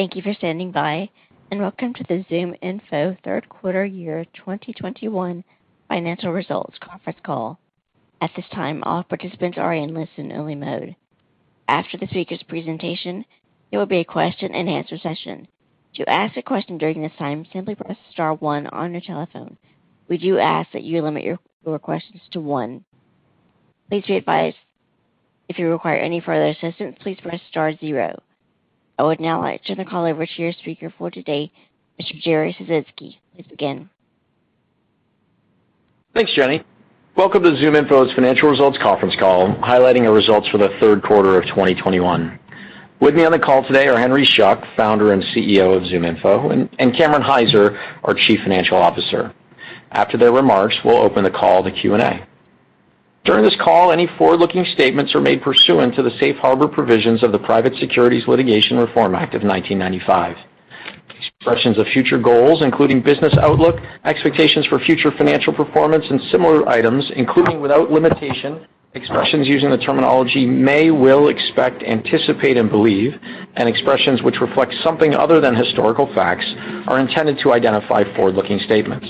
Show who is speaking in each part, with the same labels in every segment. Speaker 1: Thank you for standing by, and welcome to the ZoomInfo third quarter year 2021 financial results conference call. At this time, all participants are in listen-only mode. After the speaker's presentation, there will be a question-and-answer session. To ask a question during this time, simply press star one on your telephone. We do ask that you limit your questions to one. Please be advised, if you require any further assistance, please press star zero. I would now like to turn the call over to your speaker for today, Mr. Jerry Sisitsky. Please begin.
Speaker 2: Thanks, Jenny. Welcome to ZoomInfo's Financial Results Conference call, highlighting our results for the third quarter of 2021. With me on the call today are Henry Schuck, Founder and CEO of ZoomInfo, and Cameron Hyzer, our Chief Financial Officer. After their remarks, we'll open the call to Q&A. During this call, any forward-looking statements are made pursuant to the Safe Harbor provisions of the Private Securities Litigation Reform Act of 1995. Expressions of future goals, including business outlook, expectations for future financial performance and similar items, including without limitation, expressions using the terminology may, will, expect, anticipate and believe, and expressions which reflect something other than historical facts, are intended to identify forward-looking statements.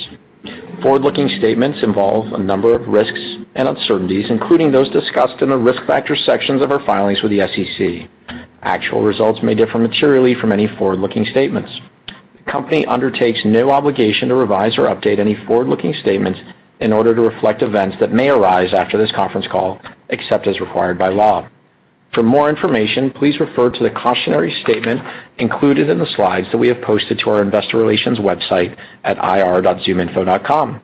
Speaker 2: Forward-looking statements involve a number of risks and uncertainties, including those discussed in the Risk Factors sections of our filings with the SEC. Actual results may differ materially from any forward-looking statements. The company undertakes no obligation to revise or update any forward-looking statements in order to reflect events that may arise after this conference call, except as required by law. For more information, please refer to the cautionary statement included in the slides that we have posted to our investor relations website at ir.zoominfo.com.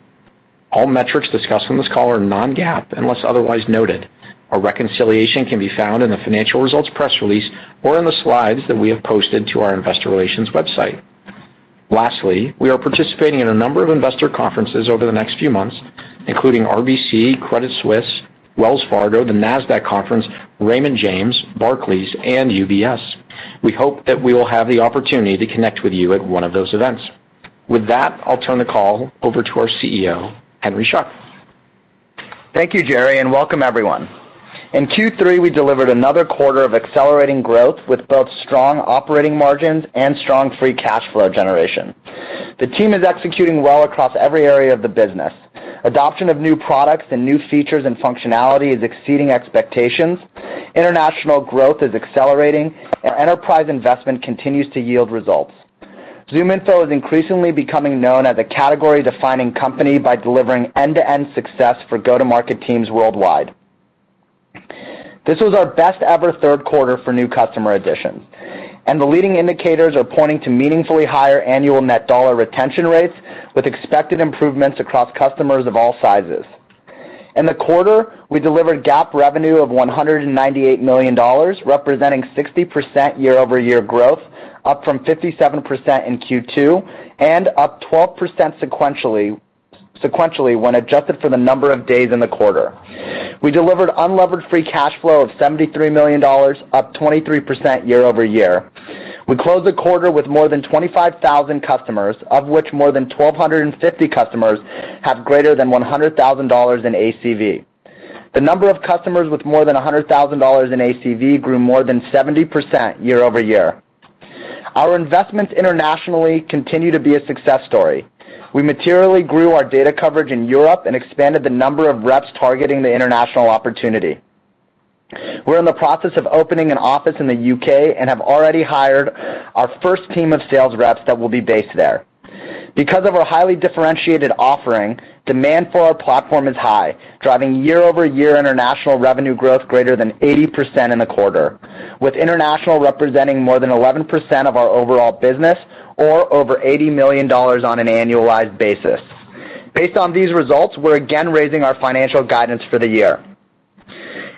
Speaker 2: All metrics discussed on this call are non-GAAP unless otherwise noted. A reconciliation can be found in the financial results press release or in the slides that we have posted to our investor relations website. Lastly, we are participating in a number of investor conferences over the next few months, including RBC, Credit Suisse, Wells Fargo, the Nasdaq Conference, Raymond James, Barclays and UBS. We hope that we will have the opportunity to connect with you at one of those events. With that, I'll turn the call over to our CEO, Henry Schuck.
Speaker 3: Thank you, Jerry, and welcome everyone. In Q3, we delivered another quarter of accelerating growth with both strong operating margins and strong free cash flow generation. The team is executing well across every area of the business. Adoption of new products and new features and functionality is exceeding expectations. International growth is accelerating, and enterprise investment continues to yield results. ZoomInfo is increasingly becoming known as a category-defining company by delivering end-to-end success for go-to-market teams worldwide. This was our best ever third quarter for new customer additions, and the leading indicators are pointing to meaningfully higher annual net dollar retention rates, with expected improvements across customers of all sizes. In the quarter, we delivered GAAP revenue of $198 million, representing 60% year-over-year growth, up from 57% in Q2, and up 12% sequentially when adjusted for the number of days in the quarter. We delivered unlevered free cash flow of $73 million, up 23% year-over-year. We closed the quarter with more than 25,000 customers, of which more than 1,250 customers have greater than $100,000 in ACV. The number of customers with more than $100,000 in ACV grew more than 70% year-over-year. Our investments internationally continue to be a success story. We materially grew our data coverage in Europe and expanded the number of reps targeting the international opportunity. We're in the process of opening an office in the U.K. and have already hired our first team of sales reps that will be based there. Because of our highly differentiated offering, demand for our platform is high, driving year-over-year international revenue growth greater than 80% in the quarter, with international representing more than 11% of our overall business, or over $80 million on an annualized basis. Based on these results, we're again raising our financial guidance for the year.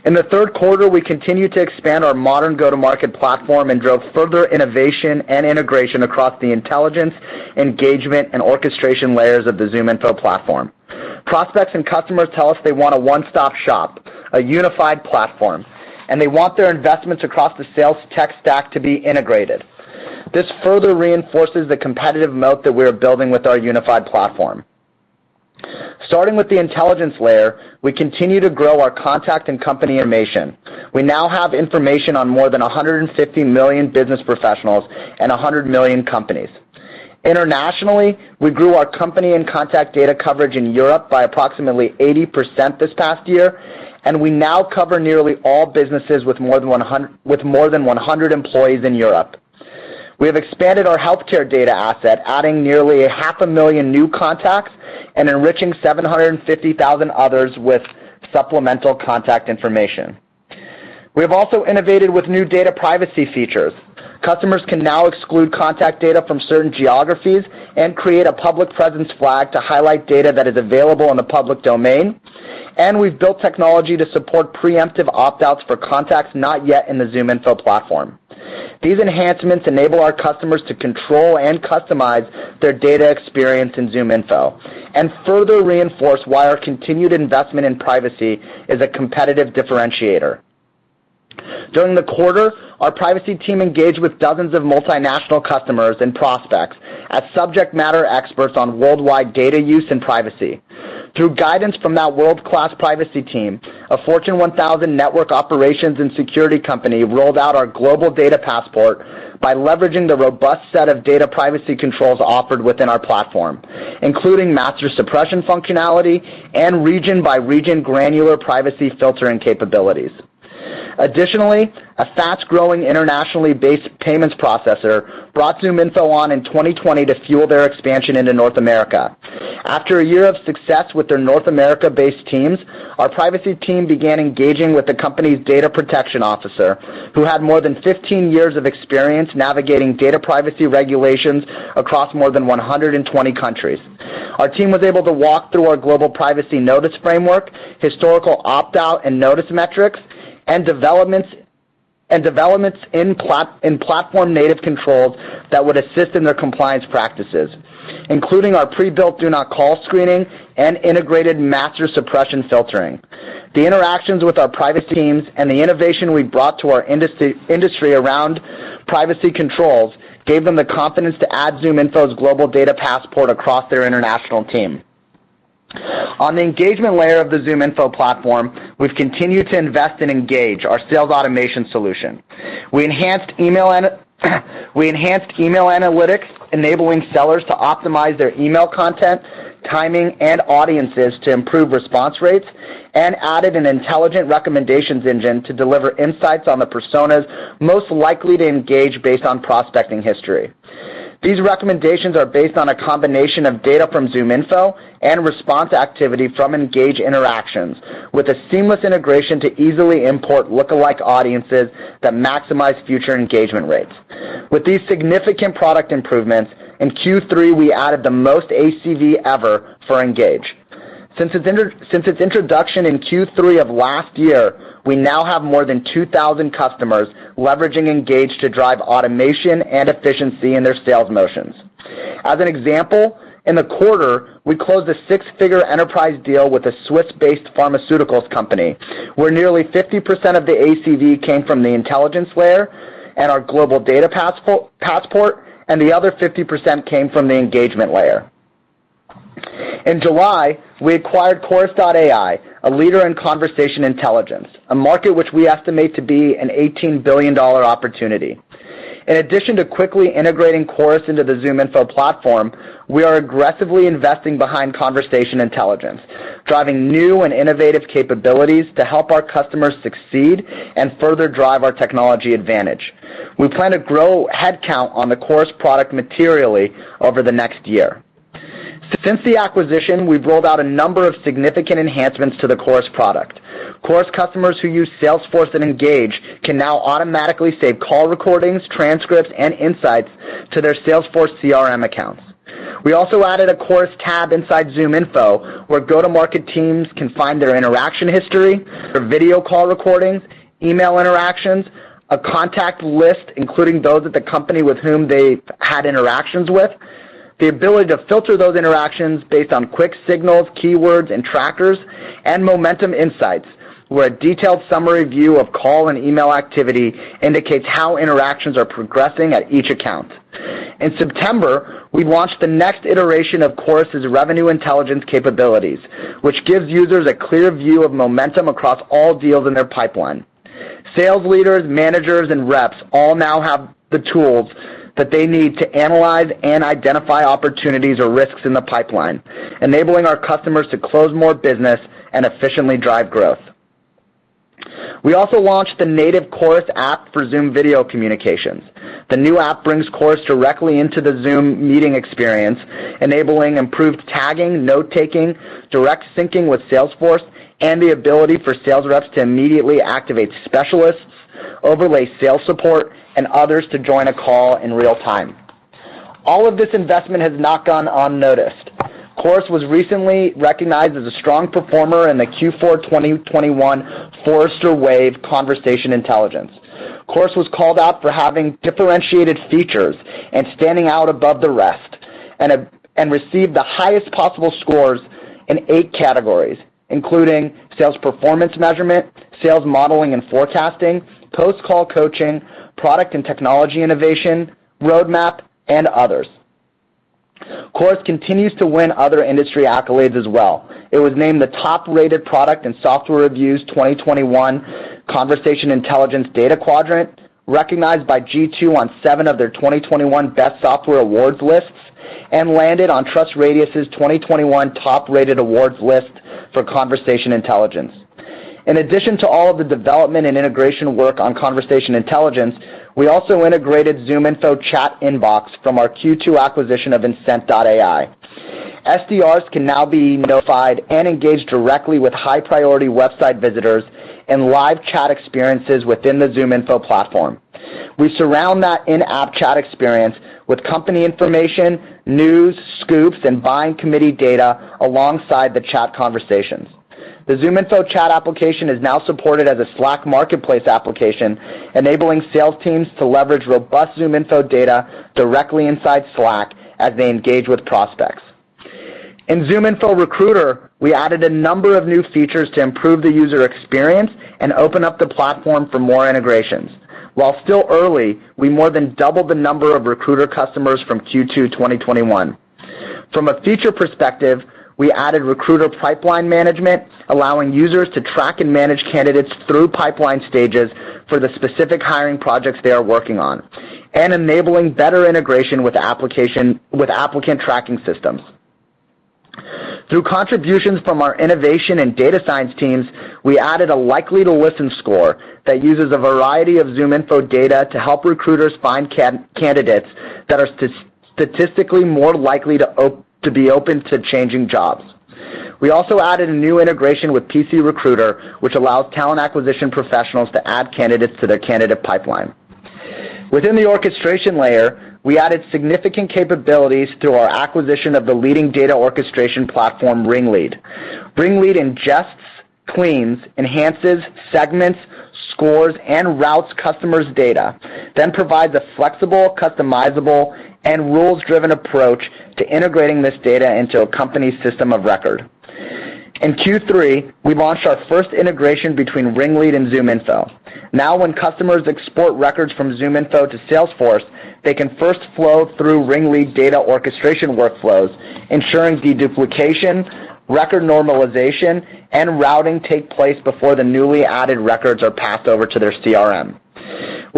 Speaker 3: In the third quarter, we continued to expand our modern go-to-market platform and drove further innovation and integration across the intelligence, engagement, and orchestration layers of the ZoomInfo platform. Prospects and customers tell us they want a one-stop shop, a unified platform, and they want their investments across the sales tech stack to be integrated. This further reinforces the competitive moat that we're building with our unified platform. Starting with the intelligence layer, we continue to grow our contact and company information. We now have information on more than 150 million business professionals and 100 million companies. Internationally, we grew our company and contact data coverage in Europe by approximately 80% this past year, and we now cover nearly all businesses with more than 100 employees in Europe. We have expanded our healthcare data asset, adding nearly 500,000 new contacts and enriching 750,000 others with supplemental contact information. We have also innovated with new data privacy features. Customers can now exclude contact data from certain geographies and create a public presence flag to highlight data that is available in the public domain. We've built technology to support preemptive opt-outs for contacts not yet in the ZoomInfo platform. These enhancements enable our customers to control and customize their data experience in ZoomInfo and further reinforce why our continued investment in privacy is a competitive differentiator. During the quarter, our privacy team engaged with dozens of multinational customers and prospects as subject matter experts on worldwide data use and privacy. Through guidance from that world-class privacy team, a Fortune 1,000 network operations and security company rolled out our Global Data Passport by leveraging the robust set of data privacy controls offered within our platform, including master suppression functionality and region-by-region granular privacy filtering capabilities. Additionally, a fast-growing internationally based payments processor brought ZoomInfo on in 2020 to fuel their expansion into North America. After a year of success with their North America-based teams, our privacy team began engaging with the company's data protection officer, who had more than 15 years of experience navigating data privacy regulations across more than 120 countries. Our team was able to walk through our global privacy notice framework, historical opt-out and notice metrics, and developments in platform-native controls that would assist in their compliance practices, including our pre-built do not call screening and integrated master suppression filtering. The interactions with our privacy teams and the innovation we've brought to our industry around privacy controls gave them the confidence to add ZoomInfo's Global Data Passport across their international team. On the engagement layer of the ZoomInfo platform, we've continued to invest in Engage, our sales automation solution. We enhanced email analytics, enabling sellers to optimize their email content, timing, and audiences to improve response rates, and added an intelligent recommendations engine to deliver insights on the personas most likely to engage based on prospecting history. These recommendations are based on a combination of data from ZoomInfo and response activity from Engage interactions with a seamless integration to easily import lookalike audiences that maximize future engagement rates. With these significant product improvements, in Q3, we added the most ACV ever for Engage. Since its introduction in Q3 of last year, we now have more than 2,000 customers leveraging Engage to drive automation and efficiency in their sales motions. As an example, in the quarter, we closed a six-figure enterprise deal with a Swiss-based pharmaceuticals company, where nearly 50% of the ACV came from the intelligence layer and our Global Data Passport, and the other 50% came from the engagement layer. In July, we acquired Chorus.ai, a leader in conversation intelligence, a market which we estimate to be a $18 billion opportunity. In addition to quickly integrating Chorus into the ZoomInfo platform, we are aggressively investing behind conversation intelligence, driving new and innovative capabilities to help our customers succeed and further drive our technology advantage. We plan to grow headcount on the Chorus product materially over the next year. Since the acquisition, we've rolled out a number of significant enhancements to the Chorus product. Chorus customers who use Salesforce and Engage can now automatically save call recordings, transcripts, and insights to their Salesforce CRM accounts. We also added a Chorus tab inside ZoomInfo, where go-to-market teams can find their interaction history for video call recordings, email interactions, a contact list, including those at the company with whom they've had interactions with, the ability to filter those interactions based on quick signals, keywords, and trackers, and momentum insights, where a detailed summary view of call and email activity indicates how interactions are progressing at each account. In September, we launched the next iteration of Chorus' revenue intelligence capabilities, which gives users a clear view of momentum across all deals in their pipeline. Sales leaders, managers, and reps all now have the tools that they need to analyze and identify opportunities or risks in the pipeline, enabling our customers to close more business and efficiently drive growth. We also launched the native Chorus app for Zoom Video Communications. The new app brings Chorus directly into the Zoom meeting experience, enabling improved tagging, note-taking, direct syncing with Salesforce, and the ability for sales reps to immediately activate specialists, overlay sales support, and others to join a call in real time. All of this investment has not gone unnoticed. Chorus was recently recognized as a strong performer in the Q4 2021 Forrester Wave Conversation Intelligence. Chorus was called out for having differentiated features and standing out above the rest, and received the highest possible scores in eight categories, including sales performance measurement, sales modeling and forecasting, post-call coaching, product and technology innovation, roadmap, and others. Chorus continues to win other industry accolades as well. It was named the top-rated product in SoftwareReviews' 2021 Conversation Intelligence Data Quadrant, recognized by G2 on seven of their 2021 Best Software Awards lists, and landed on TrustRadius' 2021 top-rated awards list for conversation intelligence. In addition to all of the development and integration work on conversation intelligence, we also integrated ZoomInfo Chat Inbox from our Q2 acquisition of Insent.ai. SDRs can now be notified and engaged directly with high-priority website visitors and live chat experiences within the ZoomInfo platform. We surround that in-app chat experience with company information, news, scoops, and buying committee data alongside the chat conversations. The ZoomInfo Chat application is now supported as a Slack marketplace application, enabling sales teams to leverage robust ZoomInfo data directly inside Slack as they engage with prospects. In ZoomInfo Recruiter, we added a number of new features to improve the user experience and open up the platform for more integrations. While still early, we more than doubled the number of recruiter customers from Q2 2021. From a feature perspective, we added recruiter pipeline management, allowing users to track and manage candidates through pipeline stages for the specific hiring projects they are working on, and enabling better integration with applicant tracking systems. Through contributions from our innovation and data science teams, we added a likely-to-listen score that uses a variety of ZoomInfo data to help recruiters find candidates that are statistically more likely to be open to changing jobs. We also added a new integration with PCRecruiter, which allows talent acquisition professionals to add candidates to their candidate pipeline. Within the orchestration layer, we added significant capabilities through our acquisition of the leading data orchestration platform, RingLead. RingLead ingests, cleans, enhances, segments, scores, and routes customers' data, then provides a flexible, customizable, and rules-driven approach to integrating this data into a company's system of record. In Q3, we launched our first integration between RingLead and ZoomInfo. Now when customers export records from ZoomInfo to Salesforce, they can first flow through RingLead data orchestration workflows, ensuring deduplication, record normalization, and routing take place before the newly added records are passed over to their CRM.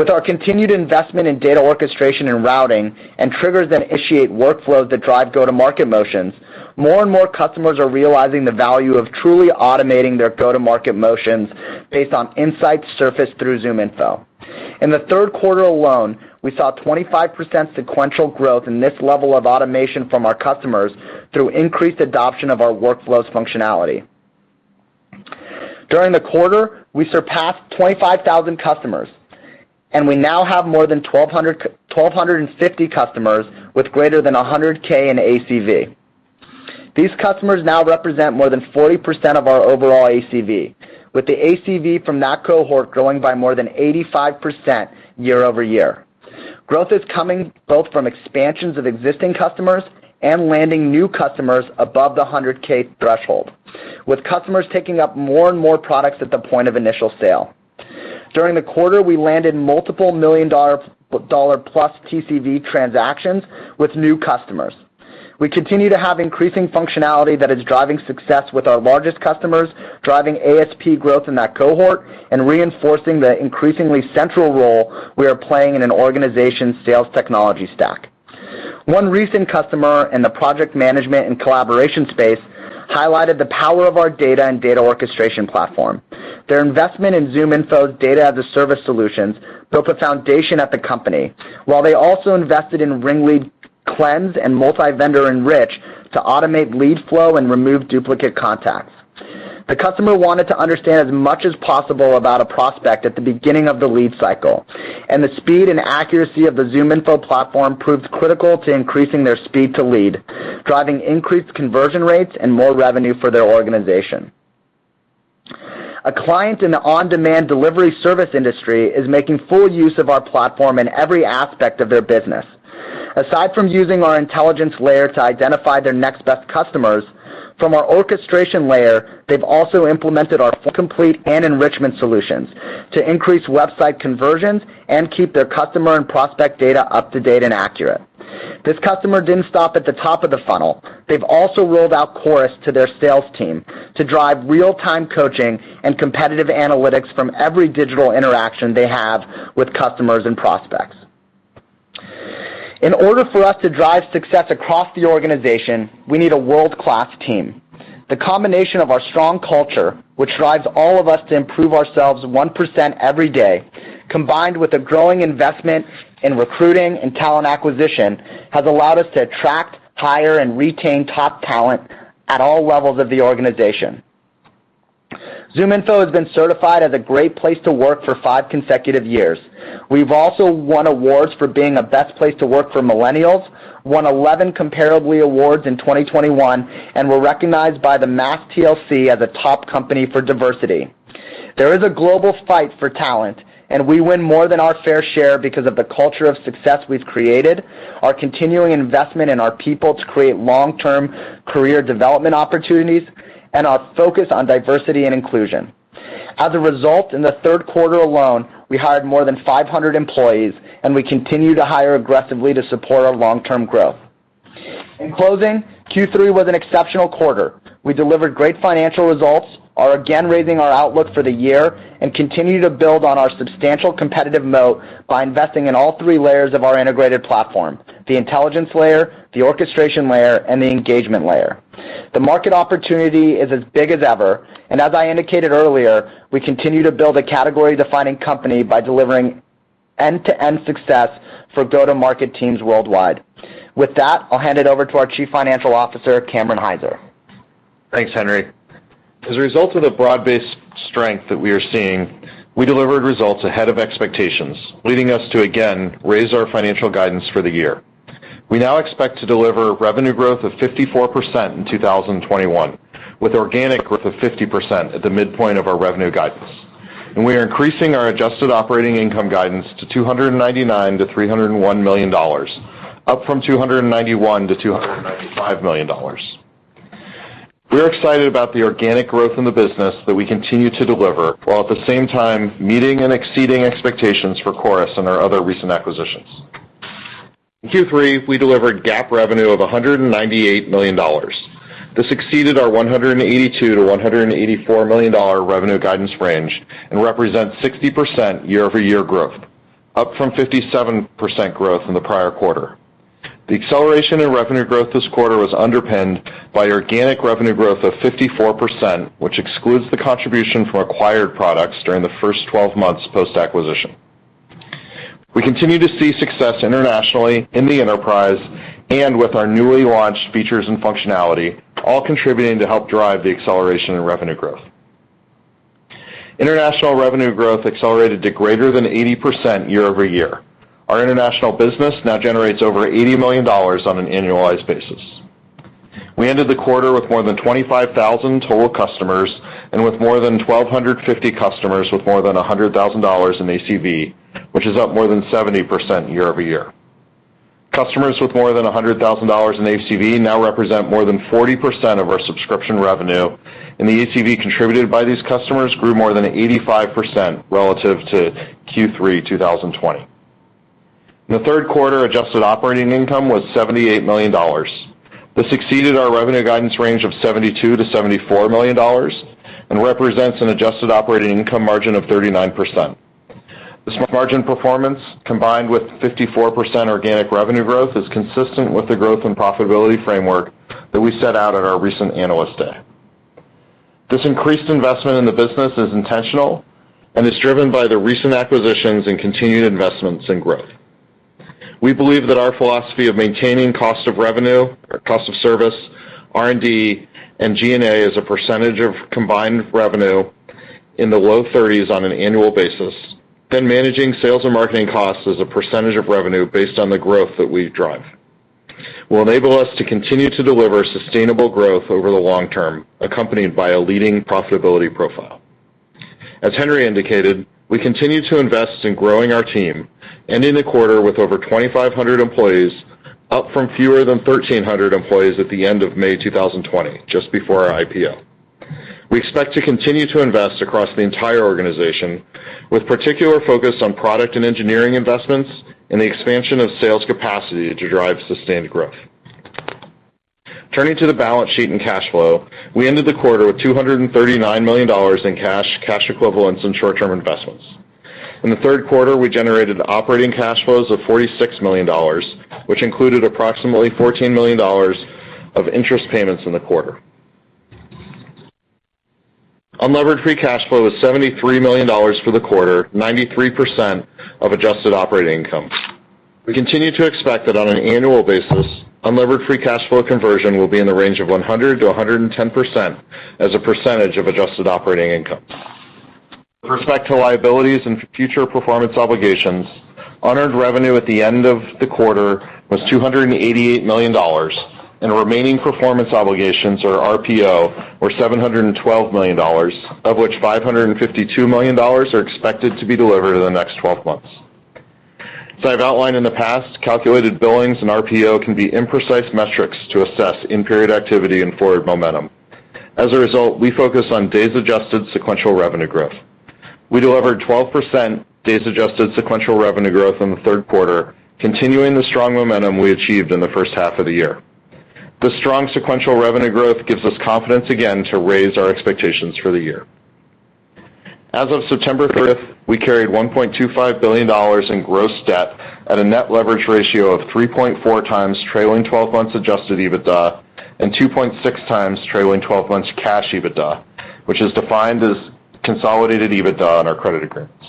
Speaker 3: With our continued investment in data orchestration and routing and triggers that initiate workflows that drive go-to-market motions, more and more customers are realizing the value of truly automating their go-to-market motions based on insights surfaced through ZoomInfo. In the third quarter alone, we saw 25% sequential growth in this level of automation from our customers through increased adoption of our workflows functionality. During the quarter, we surpassed 25,000 customers, and we now have more than 1,250 customers with greater than 100K in ACV. These customers now represent more than 40% of our overall ACV, with the ACV from that cohort growing by more than 85% year-over-year. Growth is coming both from expansions of existing customers and landing new customers above the $100K threshold, with customers taking up more and more products at the point of initial sale. During the quarter, we landed multiple $1 million-plus TCV transactions with new customers. We continue to have increasing functionality that is driving success with our largest customers, driving ASP growth in that cohort and reinforcing the increasingly central role we are playing in an organization's sales technology stack. One recent customer in the project management and collaboration space highlighted the power of our data and data orchestration platform. Their investment in ZoomInfo's data as a service solutions built a foundation at the company, while they also invested in RingLead Cleanse and Multi-Vendor Enrich to automate lead flow and remove duplicate contacts. The customer wanted to understand as much as possible about a prospect at the beginning of the lead cycle, and the speed and accuracy of the ZoomInfo platform proved critical to increasing their speed to lead, driving increased conversion rates and more revenue for their organization. A client in the on-demand delivery service industry is making full use of our platform in every aspect of their business. Aside from using our intelligence layer to identify their next best customers, from our orchestration layer, they've also implemented our complete and enrichment solutions to increase website conversions and keep their customer and prospect data up to date and accurate. This customer didn't stop at the top of the funnel. They've also rolled out Chorus to their sales team to drive real-time coaching and competitive analytics from every digital interaction they have with customers and prospects. In order for us to drive success across the organization, we need a world-class team. The combination of our strong culture, which drives all of us to improve ourselves 1% every day, combined with a growing investment in recruiting and talent acquisition, has allowed us to attract, hire, and retain top talent at all levels of the organization. ZoomInfo has been certified as a great place to work for five consecutive years. We've also won awards for being a best place to work for millennials, won 11 Comparably awards in 2021, and were recognized by the MassTLC as a top company for diversity. There is a global fight for talent, and we win more than our fair share because of the culture of success we've created, our continuing investment in our people to create long-term career development opportunities, and our focus on diversity and inclusion. As a result, in the third quarter alone, we hired more than 500 employees, and we continue to hire aggressively to support our long-term growth. In closing, Q3 was an exceptional quarter. We delivered great financial results, are again raising our outlook for the year, and continue to build on our substantial competitive moat by investing in all three layers of our integrated platform, the intelligence layer, the orchestration layer, and the engagement layer. The market opportunity is as big as ever, and as I indicated earlier, we continue to build a category-defining company by delivering end-to-end success for go-to-market teams worldwide. With that, I'll hand it over to our Chief Financial Officer, Cameron Hyzer.
Speaker 4: Thanks, Henry. As a result of the broad-based strength that we are seeing, we delivered results ahead of expectations, leading us to again raise our financial guidance for the year. We now expect to deliver revenue growth of 54% in 2021, with organic growth of 50% at the midpoint of our revenue guidance. We are increasing our adjusted operating income guidance to $299 million-$301 million, up from $291 million-$295 million. We're excited about the organic growth in the business that we continue to deliver, while at the same time meeting and exceeding expectations for Chorus and our other recent acquisitions. In Q3, we delivered GAAP revenue of $198 million. This exceeded our $182 million-$184 million revenue guidance range and represents 60% year-over-year growth, up from 57% growth in the prior quarter. The acceleration in revenue growth this quarter was underpinned by organic revenue growth of 54%, which excludes the contribution from acquired products during the first 12 months post-acquisition. We continue to see success internationally in the enterprise and with our newly launched features and functionality, all contributing to help drive the acceleration in revenue growth. International revenue growth accelerated to greater than 80% year-over-year. Our international business now generates over $80 million on an annualized basis. We ended the quarter with more than 25,000 total customers and with more than 1,250 customers with more than $100,000 in ACV, which is up more than 70% year over year. Customers with more than $100,000 in ACV now represent more than 40% of our subscription revenue, and the ACV contributed by these customers grew more than 85% relative to Q3 2020. In the third quarter, adjusted operating income was $78 million. This exceeded our revenue guidance range of $72 million-$74 million and represents an adjusted operating income margin of 39%. This margin performance, combined with 54% organic revenue growth, is consistent with the growth and profitability framework that we set out at our recent Analyst Day. This increased investment in the business is intentional and is driven by the recent acquisitions and continued investments in growth. We believe that our philosophy of maintaining cost of revenue or cost of service, R&D, and G&A as a percentage of combined revenue in the low-30s on an annual basis, then managing sales and marketing costs as a percentage of revenue based on the growth that we drive, will enable us to continue to deliver sustainable growth over the long term, accompanied by a leading profitability profile. As Henry indicated, we continue to invest in growing our team, ending the quarter with over 2,500 employees, up from fewer than 1,300 employees at the end of May 2020, just before our IPO. We expect to continue to invest across the entire organization, with particular focus on product and engineering investments and the expansion of sales capacity to drive sustained growth. Turning to the balance sheet and cash flow, we ended the quarter with $239 million in cash equivalents, and short-term investments. In the third quarter, we generated operating cash flows of $46 million, which included approximately $14 million of interest payments in the quarter. Unlevered free cash flow was $73 million for the quarter, 93% of adjusted operating income. We continue to expect that on an annual basis, unlevered free cash flow conversion will be in the range of 100%-110% as a percentage of adjusted operating income. With respect to liabilities and future performance obligations, unearned revenue at the end of the quarter was $288 million, and remaining performance obligations or RPO were $712 million, of which $552 million are expected to be delivered in the next 12 months. As I've outlined in the past, calculated billings and RPO can be imprecise metrics to assess in-period activity and forward momentum. As a result, we focus on days adjusted sequential revenue growth. We delivered 12% days adjusted sequential revenue growth in the third quarter, continuing the strong momentum we achieved in the first half of the year. This strong sequential revenue growth gives us confidence again to raise our expectations for the year. As of September 30th, we carried $1.25 billion in gross debt at a net leverage ratio of 3.4x trailing twelve months adjusted EBITDA and 2.6x trailing twelve months cash EBITDA, which is defined as consolidated EBITDA on our credit agreements.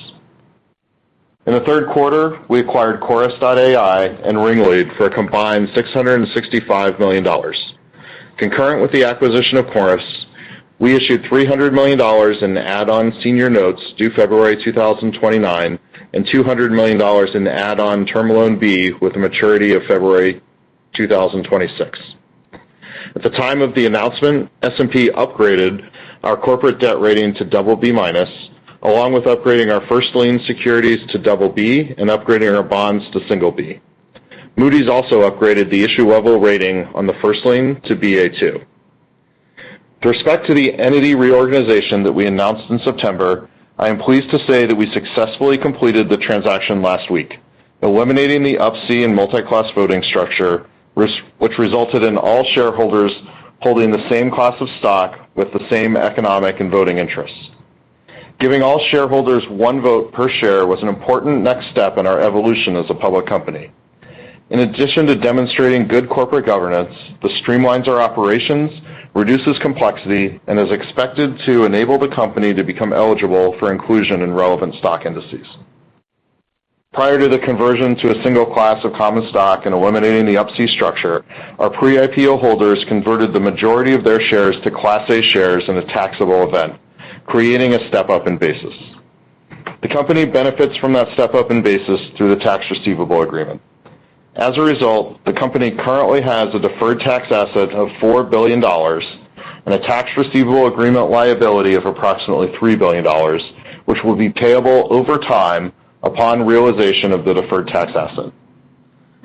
Speaker 4: In the third quarter, we acquired Chorus.ai and RingLead for a combined $665 million. Concurrent with the acquisition of Chorus, we issued $300 million in add-on senior notes due February 2029 and $200 million in add-on Term Loan B with a maturity of February 2026. At the time of the announcement, S&P upgraded our corporate debt rating to BB-, along with upgrading our first lien securities to BB and upgrading our bonds to B. Moody's also upgraded the issue level rating on the first lien to Ba2. With respect to the entity reorganization that we announced in September, I am pleased to say that we successfully completed the transaction last week, eliminating the Up-C and multi-class voting structure, which resulted in all shareholders holding the same class of stock with the same economic and voting interests. Giving all shareholders one vote per share was an important next step in our evolution as a public company. In addition to demonstrating good corporate governance, this streamlines our operations, reduces complexity, and is expected to enable the company to become eligible for inclusion in relevant stock indices. Prior to the conversion to a single class of common stock and eliminating the Up-C structure, our pre-IPO holders converted the majority of their shares to Class A shares in a taxable event, creating a step-up in basis. The company benefits from that step-up in basis through the tax receivable agreement. As a result, the company currently has a deferred tax asset of $4 billion and a tax receivable agreement liability of approximately $3 billion, which will be payable over time upon realization of the deferred tax asset.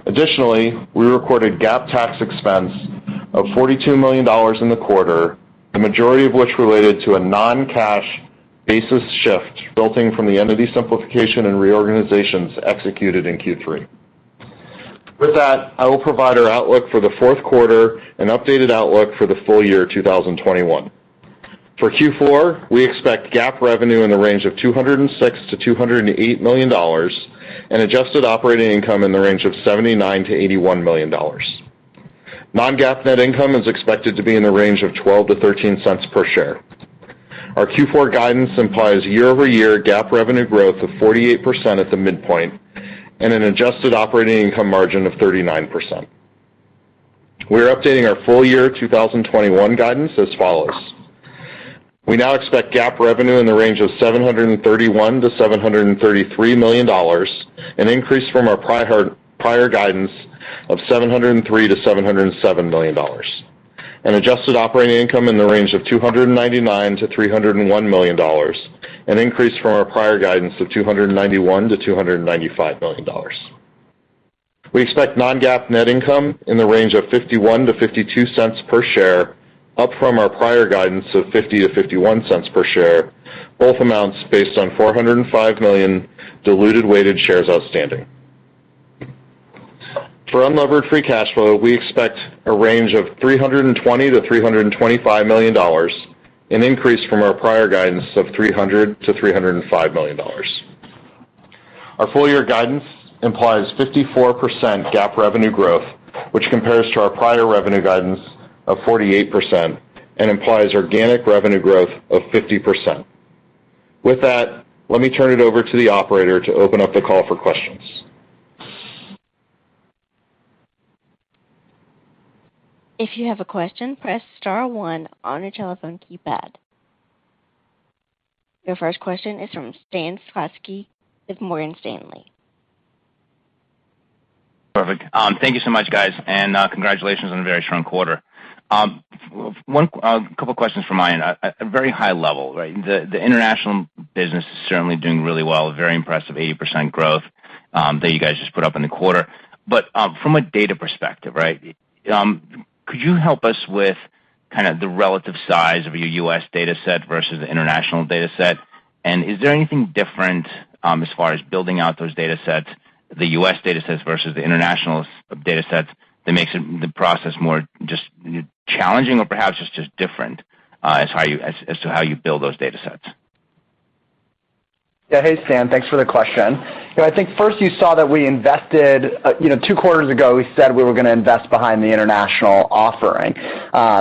Speaker 4: Additionally, we recorded GAAP tax expense of $42 million in the quarter, the majority of which related to a non-cash basis shift resulting from the entity simplification and reorganizations executed in Q3. With that, I will provide our outlook for the fourth quarter and updated outlook for the full year 2021. For Q4, we expect GAAP revenue in the range of $206 million-$208 million and adjusted operating income in the range of $79 million-$81 million. Non-GAAP net income is expected to be in the range of $0.12-$0.13 per share. Our Q4 guidance implies year-over-year GAAP revenue growth of 48% at the midpoint and an adjusted operating income margin of 39%. We're updating our full year 2021 guidance as follows: We now expect GAAP revenue in the range of $731 million-$733 million, an increase from our prior guidance of $703 million-$707 million. An adjusted operating income in the range of $299 million-$301 million, an increase from our prior guidance of $291 million-$295 million. We expect non-GAAP net income in the range of $0.51-$0.52 per share, up from our prior guidance of $0.50-$0.51 per share, both amounts based on 405 million diluted weighted shares outstanding. For unlevered free cash flow, we expect a range of $320 million-$325 million, an increase from our prior guidance of $300 million-$305 million. Our full year guidance implies 54% GAAP revenue growth, which compares to our prior revenue guidance of 48% and implies organic revenue growth of 50%. With that, let me turn it over to the operator to open up the call for questions.
Speaker 1: Your first question is from Stan Zlotsky with Morgan Stanley.
Speaker 5: Perfect. Thank you so much, guys, and congratulations on a very strong quarter. A couple of questions from my end at a very high level, right? The international business is certainly doing really well, very impressive 80% growth that you guys just put up in the quarter. From a data perspective, right, could you help us with, kinda the relative size of your U.S. dataset versus the international dataset? And is there anything different, as far as building out those datasets, the U.S. datasets versus the international datasets that makes the process more just challenging or perhaps it's just different, as to how you build those datasets?
Speaker 3: Yeah. Hey, Stan. Thanks for the question. You know, I think first you saw that we invested. You know, two quarters ago, we said we were gonna invest behind the international offering.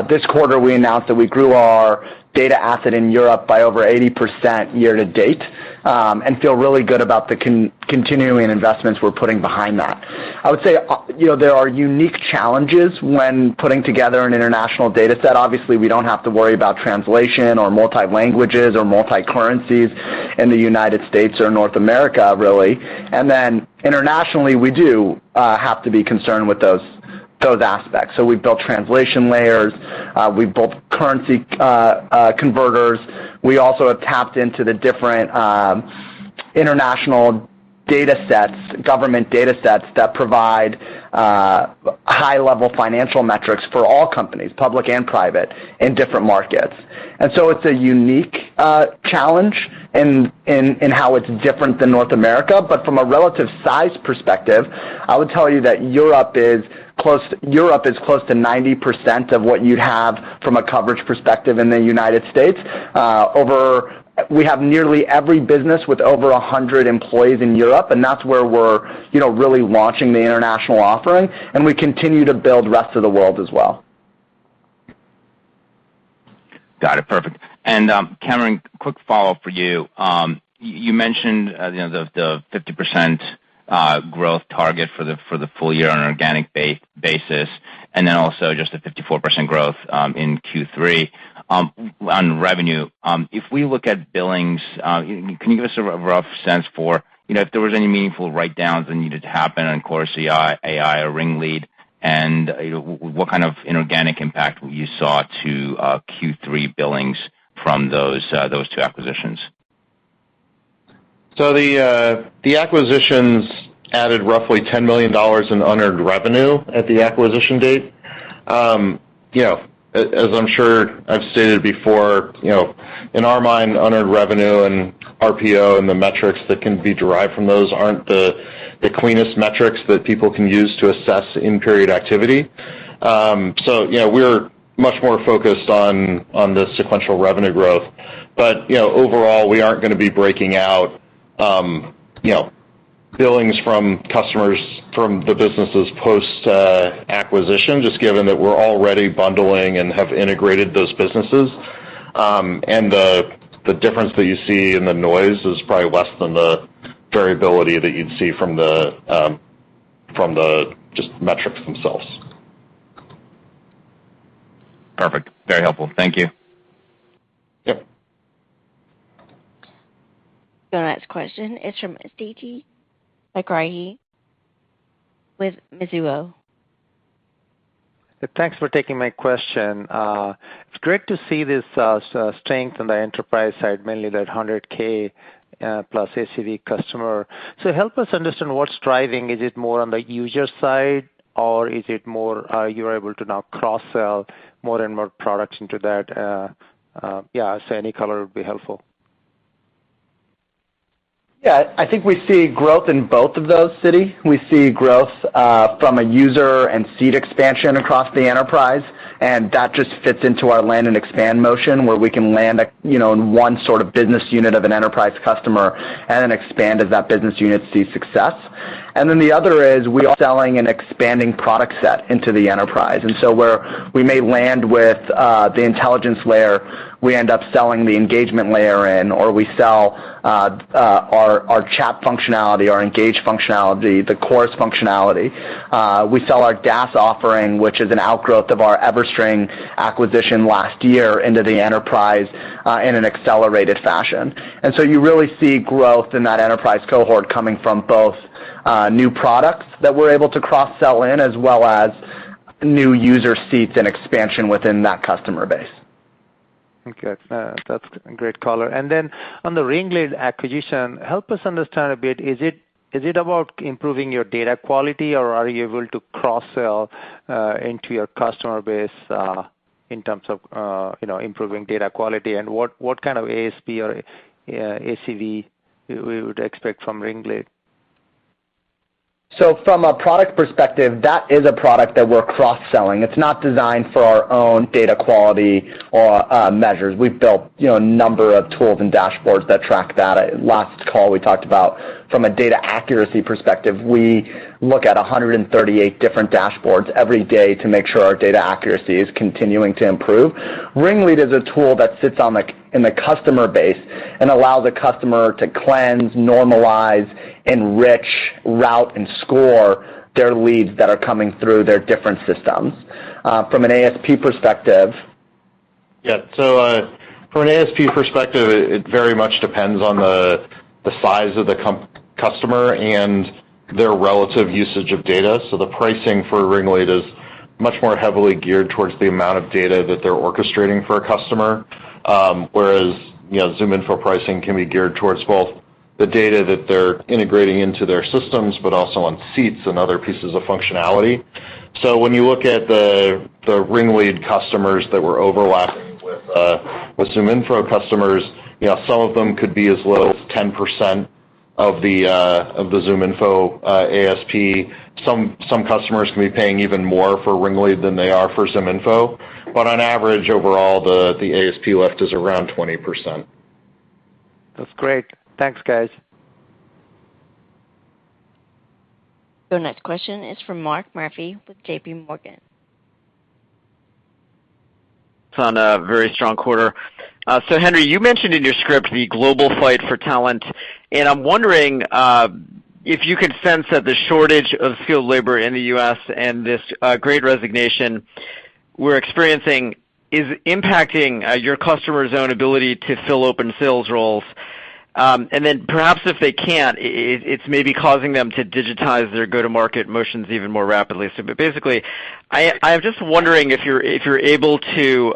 Speaker 3: This quarter, we announced that we grew our data asset in Europe by over 80% year to date, and feel really good about the continuing investments we're putting behind that. I would say, you know, there are unique challenges when putting together an international dataset. Obviously, we don't have to worry about translation or multi-languages or multi-currencies in the United States or North America, really. Then internationally, we do have to be concerned with those aspects. We've built translation layers, we've built currency converters. We also have tapped into the different international datasets, government datasets that provide high-level financial metrics for all companies, public and private, in different markets. It's a unique challenge in how it's different than North America. From a relative size perspective, I would tell you that Europe is close to 90% of what you'd have from a coverage perspective in the United States. We have nearly every business with over 100 employees in Europe, and that's where we're, you know, really launching the international offering, and we continue to build rest of the world as well.
Speaker 5: Got it. Perfect. Cameron, quick follow-up for you. You mentioned, you know, the 50% growth target for the full year on an organic basis, and then also just the 54% growth in Q3 on revenue. If we look at billings, can you give us a rough sense for, you know, if there was any meaningful write-downs that needed to happen on Chorus.ai or RingLead and, you know, what kind of inorganic impact you saw to Q3 billings from those two acquisitions?
Speaker 4: The acquisitions added roughly $10 million in unearned revenue at the acquisition date. As I'm sure I've stated before, in our mind, unearned revenue and RPO and the metrics that can be derived from those aren't the cleanest metrics that people can use to assess in-period activity. We're much more focused on the sequential revenue growth. Overall, we aren't gonna be breaking out billings from customers from the businesses post acquisition, just given that we're already bundling and have integrated those businesses. The difference that you see in the noise is probably less than the variability that you'd see from the just metrics themselves.
Speaker 5: Perfect. Very helpful. Thank you.
Speaker 4: Yep.
Speaker 1: The next question is from Siti Panigrahi with Mizuho.
Speaker 6: Thanks for taking my question. It's great to see this strength on the enterprise side, mainly that 100K plus ACV customer. Help us understand what's driving. Is it more on the user side or is it more you're able to now cross-sell more and more products into that? Yeah, any color would be helpful.
Speaker 3: Yeah. I think we see growth in both of those, Siti. We see growth from a user and seat expansion across the enterprise, and that just fits into our land and expand motion where we can land a, you know, in one sort of business unit of an enterprise customer and then expand as that business unit sees success. The other is we are selling an expanding product set into the enterprise. Where we may land with the intelligence layer, we end up selling the engagement layer in or we sell our chat functionality, our Engage functionality, the Chorus functionality. We sell our DaaS offering, which is an outgrowth of our EverString acquisition last year into the enterprise in an accelerated fashion. You really see growth in that enterprise cohort coming from both, new products that we're able to cross-sell in as well as new user seats and expansion within that customer base.
Speaker 6: Okay. That's a great color. On the RingLead acquisition, help us understand a bit. Is it about improving your data quality or are you able to cross-sell into your customer base in terms of you know, improving data quality? What kind of ASP or ACV we would expect from RingLead?
Speaker 3: From a product perspective, that is a product that we're cross-selling. It's not designed for our own data quality or measures. We've built, you know, a number of tools and dashboards that track that. Last call we talked about from a data accuracy perspective, we look at 138 different dashboards every day to make sure our data accuracy is continuing to improve. RingLead is a tool that sits in the customer base and allows the customer to cleanse, normalize, enrich, route, and score their leads that are coming through their different systems. From an ASP perspective.
Speaker 4: Yeah. From an ASP perspective, it very much depends on the size of the customer and their relative usage of data. The pricing for RingLead is much more heavily geared towards the amount of data that they're orchestrating for a customer, whereas, you know, ZoomInfo pricing can be geared towards both the data that they're integrating into their systems, but also on seats and other pieces of functionality. When you look at the RingLead customers that we're overlapping with ZoomInfo customers, you know, some of them could be as low as 10% of the ZoomInfo ASP. Some customers can be paying even more for RingLead than they are for ZoomInfo. On average, overall, the ASP lift is around 20%.
Speaker 6: That's great. Thanks, guys.
Speaker 1: Your next question is from Mark Murphy with JPMorgan.
Speaker 7: ...on a very strong quarter. Henry, you mentioned in your script the global fight for talent, and I'm wondering if you could sense that the shortage of skilled labor in the U.S. and this great resignation we're experiencing is impacting your customer's own ability to fill open sales roles. And then perhaps if they can't, it's maybe causing them to digitize their go-to-market motions even more rapidly. But basically, I'm just wondering if you're able to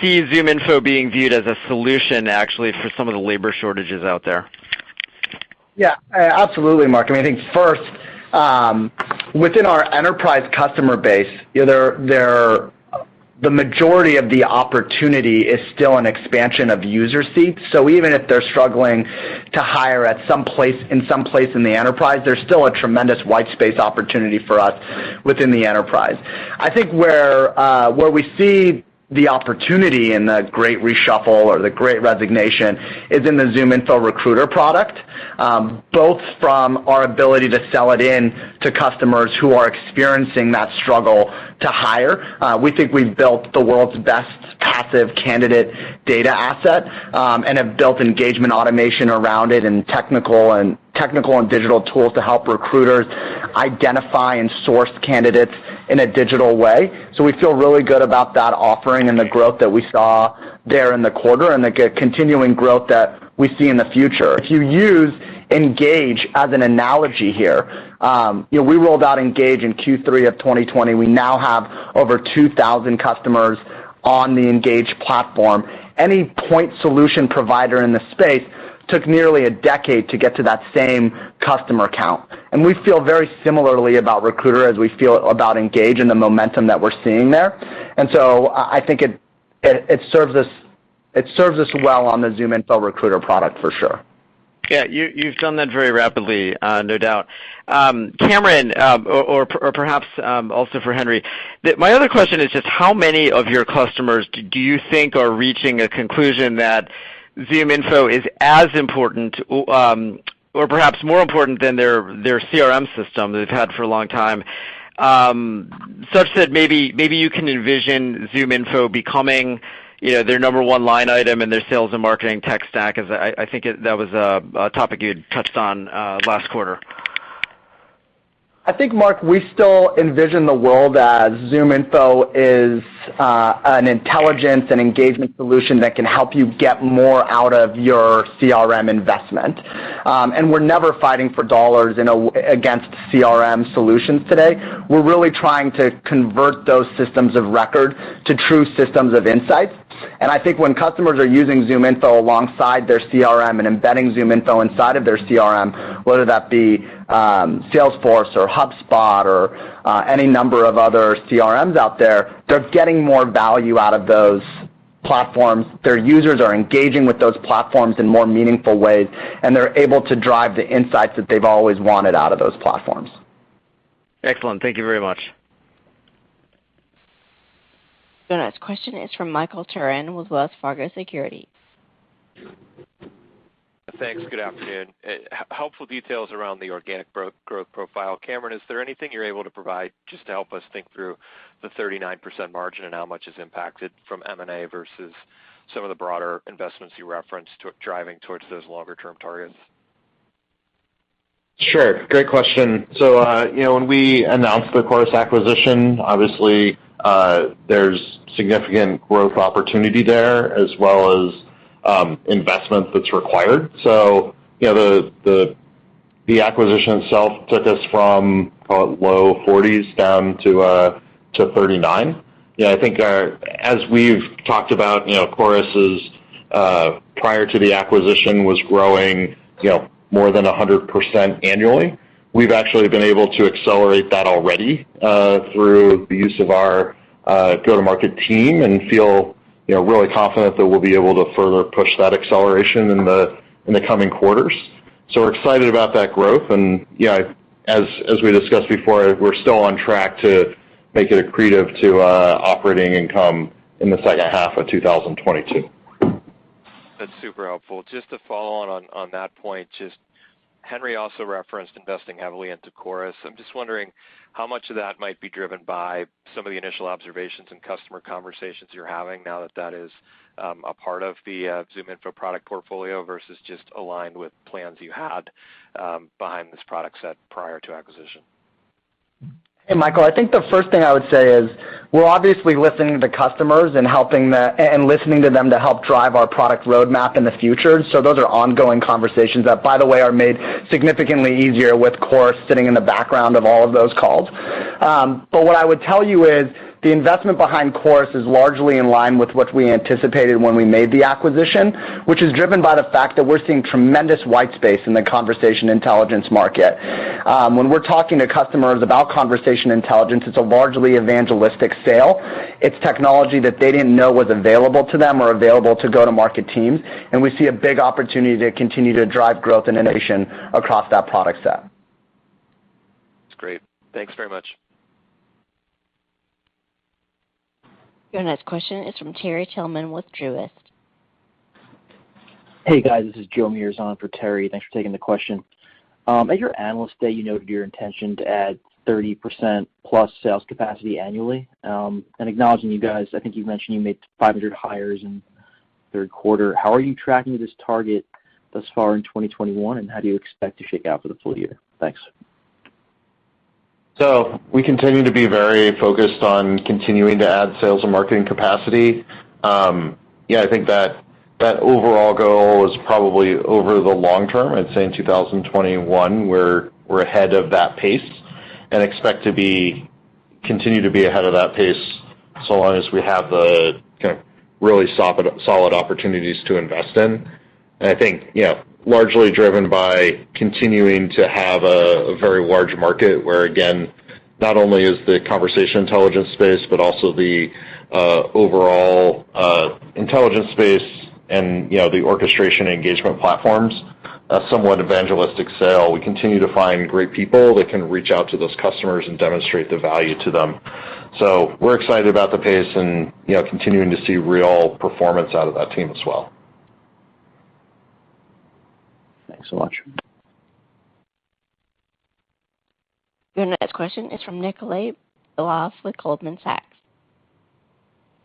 Speaker 7: see ZoomInfo being viewed as a solution actually for some of the labor shortages out there.
Speaker 3: Yeah, absolutely, Mark. I mean, I think first, within our enterprise customer base, you know, there. The majority of the opportunity is still an expansion of user seats. Even if they're struggling to hire at some place in the enterprise, there's still a tremendous white space opportunity for us within the enterprise. I think where we see the opportunity in the great reshuffle or the great resignation is in the ZoomInfo Recruiter product, both from our ability to sell it in, to customers who are experiencing that struggle to hire. We think we've built the world's best passive candidate data asset, and have built engagement automation around it and technical and digital tools to help recruiters identify and source candidates in a digital way. We feel really good about that offering and the growth that we saw there in the quarter and the continuing growth that we see in the future. If you use Engage as an analogy here, you know, we rolled out Engage in Q3 of 2020. We now have over 2,000 customers on the Engage platform. Any point solution provider in the space took nearly a decade to get to that same customer count. We feel very similarly about Recruiter as we feel about Engage in the momentum that we're seeing there. I think it serves us well on the ZoomInfo Recruiter product for sure.
Speaker 7: Yeah. You've done that very rapidly, no doubt. Cameron, or perhaps also for Henry. My other question is just how many of your customers do you think are reaching a conclusion that ZoomInfo is as important, or perhaps more important than their CRM system they've had for a long time, such that maybe you can envision ZoomInfo becoming, you know, their number one line item in their sales and marketing tech stack, as I think that was a topic you'd touched on last quarter.
Speaker 3: I think, Mark, we still envision the world as ZoomInfo is an intelligence and engagement solution that can help you get more out of your CRM investment. We're never fighting for dollars against CRM solutions today. We're really trying to convert those systems of record to true systems of insights. I think when customers are using ZoomInfo alongside their CRM and embedding ZoomInfo inside of their CRM, whether that be Salesforce or HubSpot or any number of other CRMs out there, they're getting more value out of those platforms. Their users are engaging with those platforms in more meaningful ways, and they're able to drive the insights that they've always wanted out of those platforms.
Speaker 7: Excellent. Thank you very much.
Speaker 1: Your next question is from Michael Turrin with Wells Fargo Securities.
Speaker 8: Thanks. Good afternoon. Helpful details around the organic growth profile. Cameron, is there anything you're able to provide just to help us think through the 39% margin and how much is impacted from M&A versus some of the broader investments you referenced to driving towards those longer-term targets?
Speaker 4: Sure. Great question. You know, when we announced the Chorus acquisition, obviously, there's significant growth opportunity there as well as investment that's required. You know, the acquisition itself took us from, call it, low-40s down to 39%. You know, I think, as we've talked about, you know, Chorus prior to the acquisition was growing more than 100% annually. We've actually been able to accelerate that already through the use of our go-to-market team and feel really confident that we'll be able to further push that acceleration in the coming quarters. We're excited about that growth. You know, as we discussed before, we're still on track to make it accretive to operating income in the second half of 2022.
Speaker 8: That's super helpful. Just to follow on that point, just Henry also referenced investing heavily into Chorus. I'm just wondering how much of that might be driven by some of the initial observations and customer conversations you're having now that is a part of the ZoomInfo product portfolio versus just aligned with plans you had behind this product set prior to acquisition?
Speaker 3: Hey, Michael, I think the first thing I would say is we're obviously listening to customers and listening to them to help drive our product roadmap in the future. Those are ongoing conversations that, by the way, are made significantly easier with Chorus sitting in the background of all of those calls. What I would tell you is the investment behind Chorus is largely in line with what we anticipated when we made the acquisition, which is driven by the fact that we're seeing tremendous white space in the conversation intelligence market. When we're talking to customers about conversation intelligence, it's a largely evangelistic sale. It's technology that they didn't know was available to them or available to go-to-market teams, and we see a big opportunity to continue to drive growth and innovation across that product set.
Speaker 8: That's great. Thanks very much.
Speaker 1: Your next question is from Terry Tillman with Truist.
Speaker 9: Hey, guys, this is Joe Meares for Terry. Thanks for taking the question. At your Analyst Day, you noted your intention to add 30%+ sales capacity annually. Acknowledging you guys, I think you mentioned you made 500 hires in third quarter. How are you tracking to this target thus far in 2021, and how do you expect to shake out for the full year? Thanks.
Speaker 4: We continue to be very focused on continuing to add sales and marketing capacity. Yeah, I think that overall goal is probably over the long term. I'd say in 2021, we're ahead of that pace and expect to continue to be ahead of that pace so long as we have the kind of really solid opportunities to invest in. I think, you know, largely driven by continuing to have a very large market where again, not only is the conversation intelligence space, but also the overall intelligence space and, you know, the orchestration engagement platforms, a somewhat evangelistic sale. We continue to find great people that can reach out to those customers and demonstrate the value to them. We're excited about the pace and, you know, continuing to see real performance out of that team as well.
Speaker 9: Thanks so much.
Speaker 1: Your next question is from Nikolay Beliov with Goldman Sachs.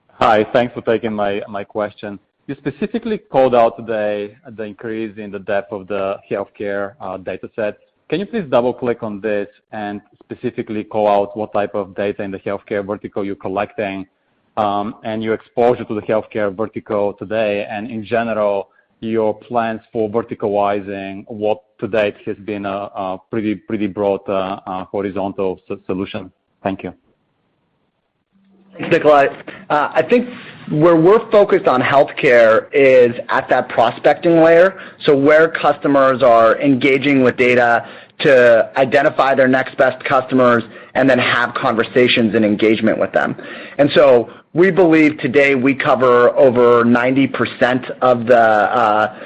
Speaker 10: Hi. Thanks for taking my question. You specifically called out today the increase in the depth of the healthcare data set. Can you please double-click on this and specifically call out what type of data in the healthcare vertical you're collecting, and your exposure to the healthcare vertical today, and in general, your plans for verticalizing what to date has been a pretty broad horizontal solution? Thank you.
Speaker 3: Thanks, Nikolay. I think where we're focused on healthcare is at that prospecting layer, so where customers are engaging with data to identify their next best customers and then have conversations and engagement with them. We believe today we cover over 90% of the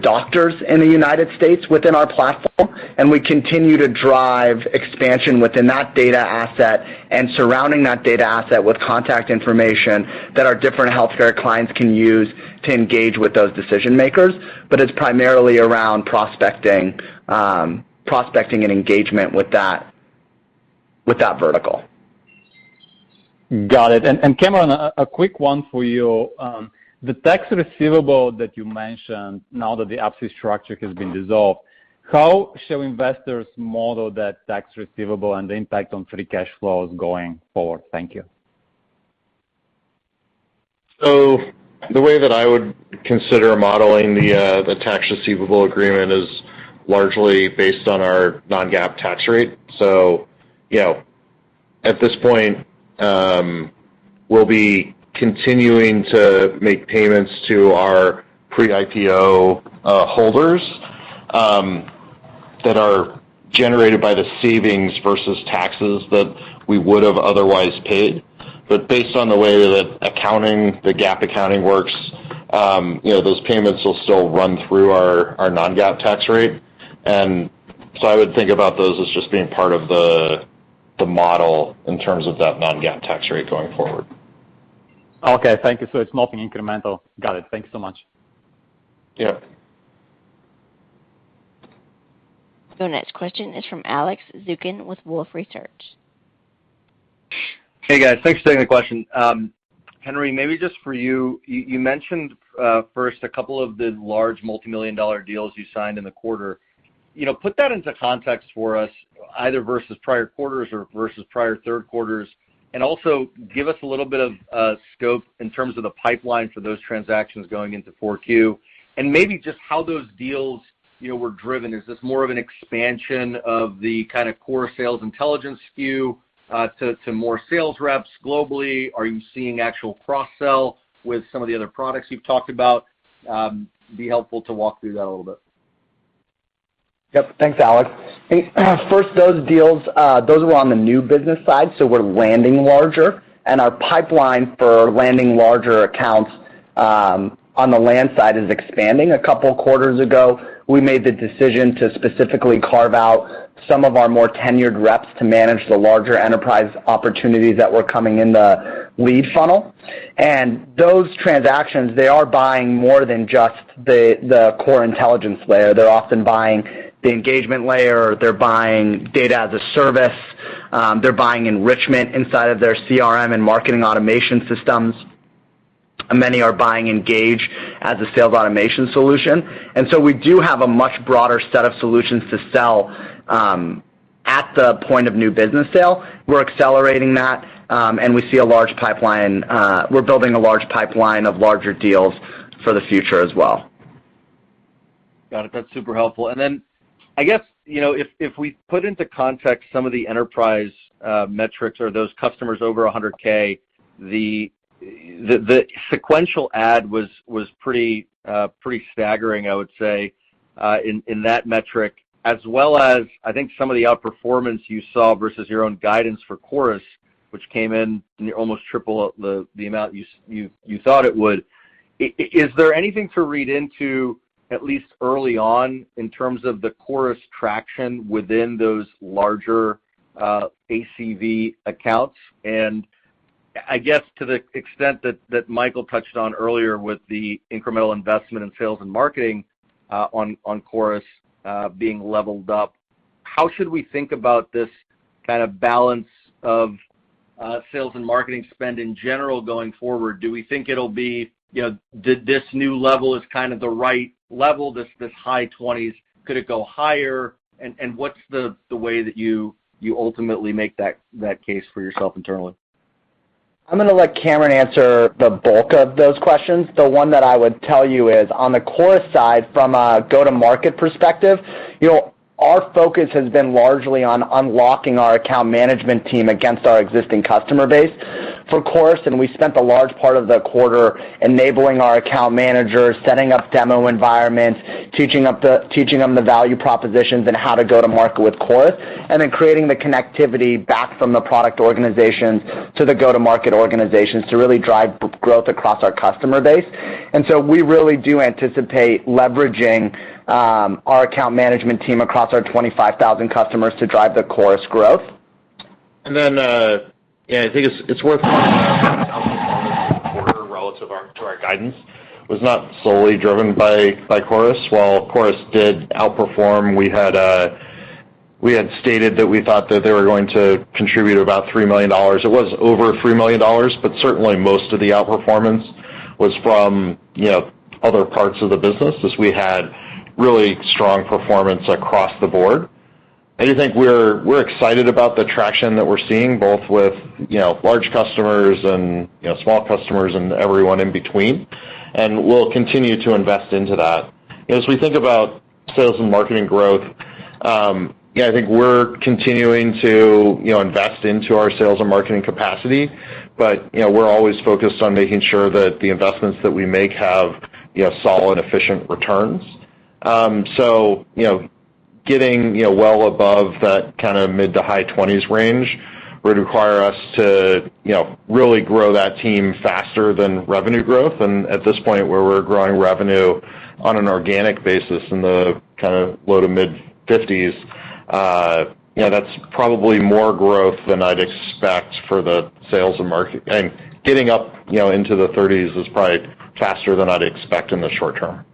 Speaker 3: doctors in the United States within our platform, and we continue to drive expansion within that data asset and surrounding that data asset with contact information that our different healthcare clients can use to engage with those decision-makers. It's primarily around prospecting and engagement with that vertical.
Speaker 10: Got it. Cameron, a quick one for you. The tax receivable that you mentioned now that the Up-C structure has been dissolved, how should investors model that tax receivable and the impact on free cash flows going forward? Thank you.
Speaker 4: The way that I would consider modeling the tax receivable agreement is largely based on our non-GAAP tax rate. You know, at this point, we'll be continuing to make payments to our pre-IPO holders that are generated by the savings versus taxes that we would've otherwise paid. Based on the way that accounting, the GAAP accounting works, you know, those payments will still run through our non-GAAP tax rate. I would think about those as just being part of the model in terms of that non-GAAP tax rate going forward.
Speaker 10: Okay. Thank you. It's nothing incremental. Got it. Thank you so much.
Speaker 4: Yep.
Speaker 1: The next question is from Alex Zukin with Wolfe Research.
Speaker 11: Hey, guys. Thanks for taking the question. Henry, maybe just for you, you mentioned first a couple of the large multimillion-dollar deals you signed in the quarter. You know, put that into context for us, either versus prior quarters or versus prior third quarters, and also give us a little bit of scope in terms of the pipeline for those transactions going into 4Q. Maybe just how those deals, you know, were driven. Is this more of an expansion of the kind of core sales intelligence SKU to more sales reps globally? Are you seeing actual cross-sell with some of the other products you've talked about? It would be helpful to walk through that a little bit.
Speaker 3: Yep. Thanks, Alex. First, those deals, those were on the new business side, so we're landing larger. Our pipeline for landing larger accounts on the land side is expanding. A couple of quarters ago, we made the decision to specifically carve out some of our more tenured reps to manage the larger enterprise opportunities that were coming in the lead funnel. Those transactions, they are buying more than just the core intelligence layer. They're often buying the engagement layer. They're buying data as a service. They're buying enrichment inside of their CRM and marketing automation systems. Many are buying Engage as a sales automation solution. We do have a much broader set of solutions to sell at the point of new business sale. We're accelerating that, and we see a large pipeline. We're building a large pipeline of larger deals for the future as well.
Speaker 11: Got it. That's super helpful. I guess, you know, if we put into context some of the enterprise metrics or those customers over 100K, the sequential add was pretty staggering, I would say, in that metric, as well as I think some of the outperformance you saw versus your own guidance for Chorus, which came in almost triple the amount you thought it would. Is there anything to read into at least early on in terms of the Chorus traction within those larger ACV accounts? I guess to the extent that Michael touched on earlier with the incremental investment in sales and marketing on Chorus being leveled up, how should we think about this kind of balance of sales and marketing spend in general going forward? Do we think it'll be, you know, that this new level is kind of the right level, this high twenties? Could it go higher? What's the way that you ultimately make that case for yourself internally?
Speaker 3: I'm gonna let Cameron answer the bulk of those questions. The one that I would tell you is on the Chorus side, from a go-to-market perspective, you know, our focus has been largely on unlocking our account management team against our existing customer base for Chorus, and we spent a large part of the quarter enabling our account managers, setting up demo environments, teaching them the value propositions and how to go to market with Chorus, and then creating the connectivity back from the product organizations to the go-to-market organizations to really drive growth across our customer base. We really do anticipate leveraging our account management team across our 25,000 customers to drive the Chorus growth.
Speaker 4: I think it's worth quarter relative to our guidance was not solely driven by Chorus. While Chorus did outperform, we had stated that we thought that they were going to contribute about $3 million. It was over $3 million, but certainly most of the outperformance was from, you know, other parts of the business, as we had really strong performance across the board. I do think we're excited about the traction that we're seeing both with, you know, large customers and, you know, small customers and everyone in between. We'll continue to invest into that. You know, as we think about sales and marketing growth, yeah, I think we're continuing to, you know, invest into our sales and marketing capacity, but, you know, we're always focused on making sure that the investments that we make have, you know, solid, efficient returns. You know, getting, you know, well above that kind of mid to high-20s range would require us to, you know, really grow that team faster than revenue growth. At this point, where we're growing revenue on an organic basis in the kind of low to mid-50s, you know, that's probably more growth than I'd expect. Getting up, you know, into the 30s is probably faster than I'd expect in the short term.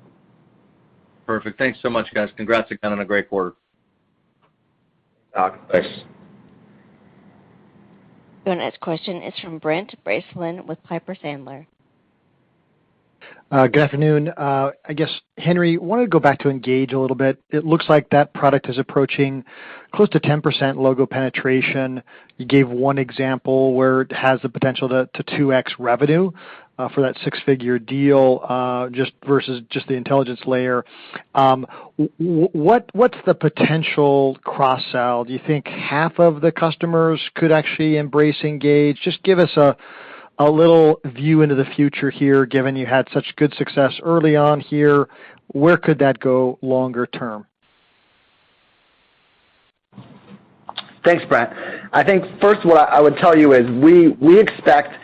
Speaker 11: Perfect. Thanks so much, guys. Congrats again on a great quarter.
Speaker 4: Thanks.
Speaker 1: The next question is from Brent Bracelin with Piper Sandler.
Speaker 12: Good afternoon. I guess, Henry, I wanted to go back to Engage a little bit. It looks like that product is approaching close to 10% logo penetration. You gave one example where it has the potential to 2x revenue for that six-figure deal just versus the intelligence layer. What's the potential cross-sell? Do you think half of the customers could actually embrace Engage? Just give us a little view into the future here, given you had such good success early on here, where could that go longer term?
Speaker 3: Thanks, Brent. I think first what I would tell you is we expect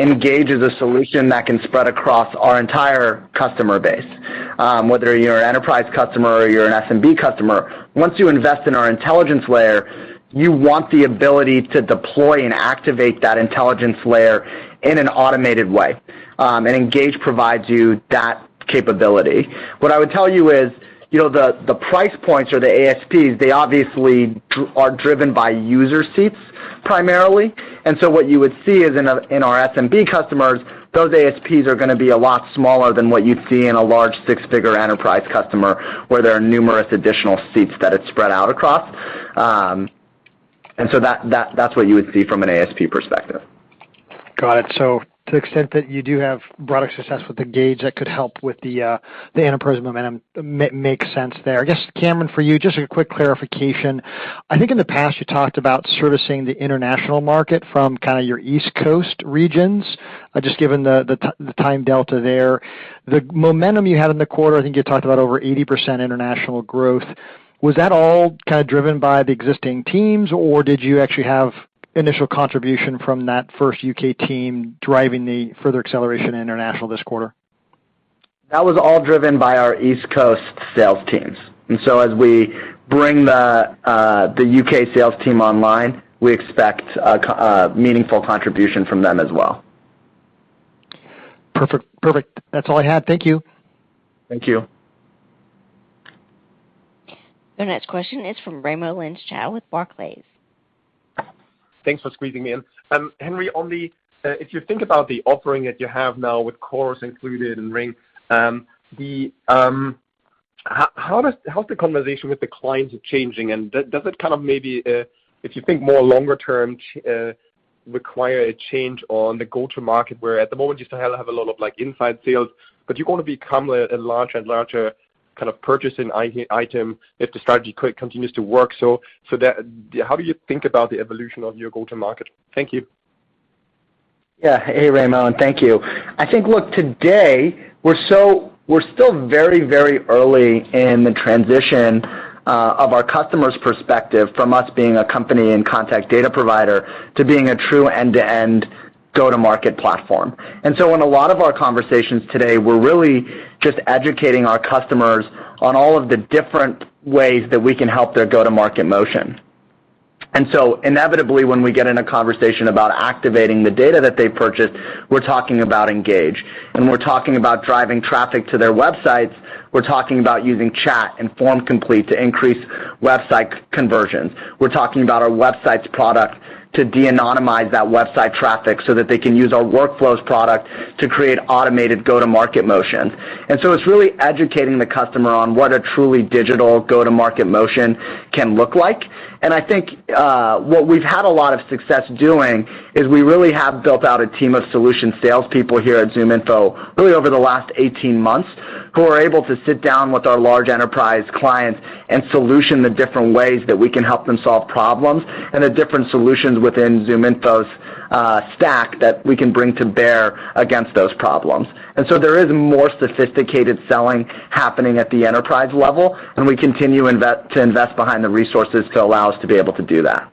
Speaker 3: Engage as a solution that can spread across our entire customer base. Whether you're an enterprise customer or you're an SMB customer, once you invest in our intelligence layer, you want the ability to deploy and activate that intelligence layer in an automated way. Engage provides you that capability. What I would tell you is, you know, the price points or the ASPs, they obviously are driven by user seats primarily. What you would see is in our SMB customers, those ASPs are gonna be a lot smaller than what you'd see in a large six-figure enterprise customer, where there are numerous additional seats that it's spread out across. That's what you would see from an ASP perspective.
Speaker 12: Got it. To the extent that you do have product success with Engage, that could help with the enterprise momentum. Makes sense there. I guess, Cameron, for you, just a quick clarification. I think in the past, you talked about servicing the international market from kinda, your East Coast regions, just given the time delta there. The momentum you had in the quarter, I think you talked about over 80% international growth. Was that all kinda driven by the existing teams, or did you actually have initial contribution from that first U.K. team driving the further acceleration international this quarter?
Speaker 3: That was all driven by our East Coast sales teams. As we bring the U.K. sales team online, we expect a meaningful contribution from them as well.
Speaker 12: Perfect, perfect. That's all I had. Thank you.
Speaker 3: Thank you.
Speaker 1: The next question is from Raimo Lenschow with Barclays.
Speaker 13: Thanks for squeezing me in. Henry, if you think about the offering that you have now with Chorus included and RingLead, how's the conversation with the clients changing? Does it kind of maybe, if you think more longer term, require a change on the go-to-market, where at the moment, you still have a lot of, like, inside sales, but you're gonna become a larger and larger kind of purchase item if the strategy continues to work. How do you think about the evolution of your go-to-market? Thank you.
Speaker 3: Yeah. Hey, Raimo, and thank you. I think, look, today, we're still very, very early in the transition of our customers' perspective from us being a company and contact data provider to being a true end-to-end go-to-market platform. In a lot of our conversations today, we're really just educating our customers on all of the different ways that we can help their go-to-market motion. Inevitably, when we get in a conversation about activating the data that they purchased, we're talking about Engage. When we're talking about driving traffic to their websites, we're talking about using chat and form complete to increase website conversions. We're talking about our website's product to de-anonymize that website traffic so that they can use our workflows product to create automated go-to-market motion. It's really educating the customer on what a truly digital go-to-market motion can look like. I think what we've had a lot of success doing is we really have built out a team of solution salespeople here at ZoomInfo really over the last 18 months, who are able to sit down with our large enterprise clients and solution the different ways that we can help them solve problems and the different solutions within ZoomInfo's stack that we can bring to bear against those problems. There is more sophisticated selling happening at the enterprise level, and we continue to invest behind the resources to allow us to be able to do that.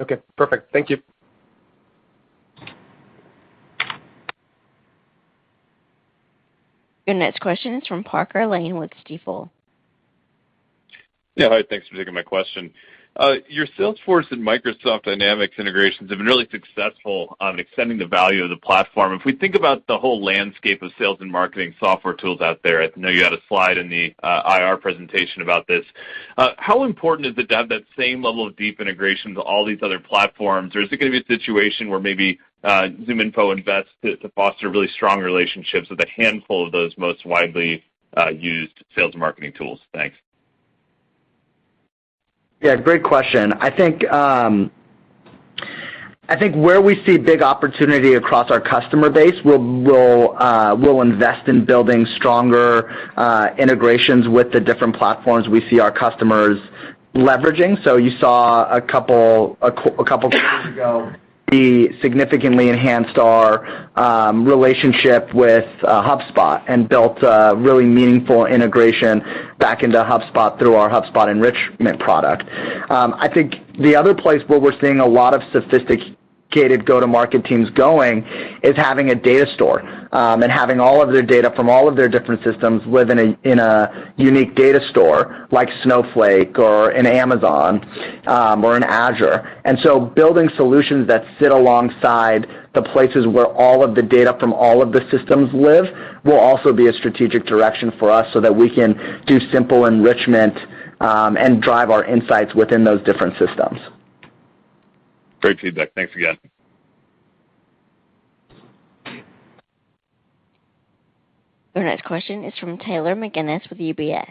Speaker 13: Okay, perfect. Thank you.
Speaker 1: Your next question is from Parker Lane with Stifel.
Speaker 14: Yeah, hi. Thanks for taking my question. Your Salesforce and Microsoft Dynamics integrations have been really successful on extending the value of the platform. If we think about the whole landscape of sales and marketing software tools out there, I know you had a slide in the IR presentation about this, how important is it to have that same level of deep integration to all these other platforms? Or is it gonna be a situation where maybe ZoomInfo invests to foster really strong relationships with a handful of those most widely used sales and marketing tools? Thanks.
Speaker 3: Yeah, great question. I think where we see big opportunity across our customer base, we'll invest in building stronger integrations with the different platforms we see our customers leveraging. You saw a couple months ago, we significantly enhanced our relationship with HubSpot and built a really meaningful integration back into HubSpot through our HubSpot enrichment product. I think the other place where we're seeing a lot of sophisticated go-to-market teams going is having a data store and having all of their data from all of their different systems live in a unique data store like Snowflake or in Amazon or in Azure. Building solutions that sit alongside the places where all of the data from all of the systems live will also be a strategic direction for us so that we can do simple enrichment and drive our insights within those different systems.
Speaker 14: Great feedback. Thanks again.
Speaker 1: The next question is from Taylor McGinnis with UBS.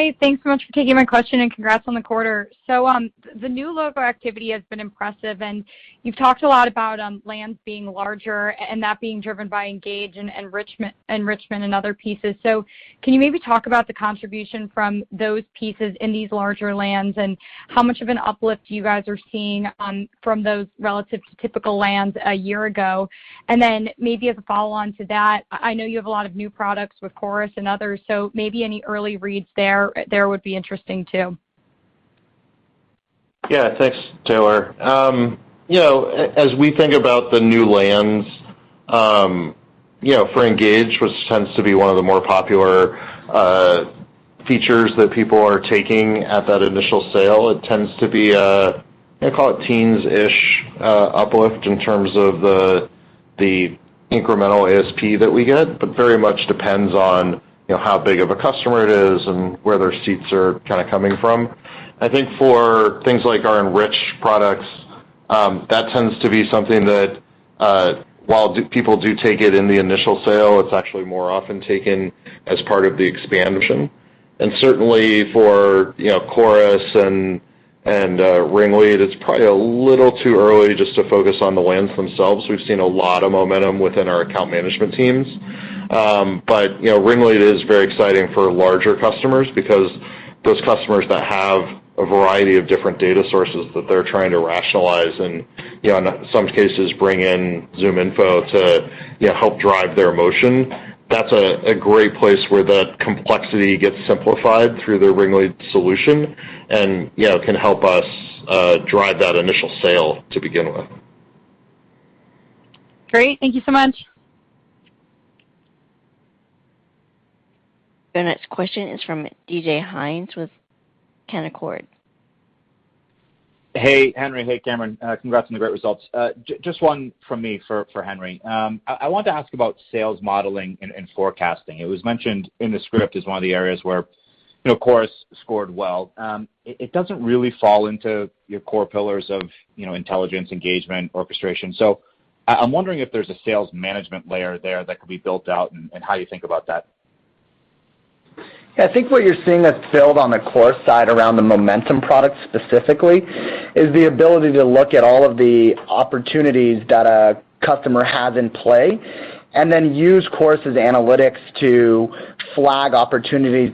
Speaker 15: Hey, thanks so much for taking my question, and congrats on the quarter. The new logo activity has been impressive, and you've talked a lot about lands being larger and that being driven by Engage and Enrichment and other pieces. Can you maybe talk about the contribution from those pieces in these larger lands, and how much of an uplift you guys are seeing from those relative to typical lands a year ago? Then maybe as a follow-on to that, I know you have a lot of new products with Chorus and others, so maybe any early reads there would be interesting too.
Speaker 4: Yeah. Thanks, Taylor. You know, as we think about the new lands, you know, for Engage, which tends to be one of the more popular features that people are taking at that initial sale, it tends to be a, I call it teens-ish, uplift in terms of the incremental ASP that we get, but very much depends on, you know, how big of a customer it is and where their seats are kinda coming from. I think for things like our Enrich products, that tends to be something that, while people do take it in the initial sale, it's actually more often taken as part of the expansion. Certainly for, you know, Chorus and RingLead, it's probably a little too early just to focus on the lands themselves. We've seen a lot of momentum within our account management teams. You know, RingLead is very exciting for larger customers because those customers that have a variety of different data sources that they're trying to rationalize and, you know, in some cases bring in ZoomInfo to, you know, help drive their motion, that's a great place where the complexity gets simplified through the RingLead solution. You know, can help us drive that initial sale to begin with.
Speaker 15: Great. Thank you so much.
Speaker 1: The next question is from DJ Hynes with Canaccord.
Speaker 16: Hey, Henry. Hey, Cameron. Congrats on the great results. Just one from me for Henry. I want to ask about sales modeling and forecasting. It was mentioned in the script as one of the areas where, you know, Chorus scored well. It doesn't really fall into your core pillars of, you know, intelligence, engagement, orchestration. I'm wondering if there's a sales management layer there that could be built out and how you think about that.
Speaker 3: Yeah. I think what you're seeing that's built on the Chorus side around the momentum product specifically is the ability to look at all of the opportunities that a customer has in play, and then use Chorus' analytics to flag opportunities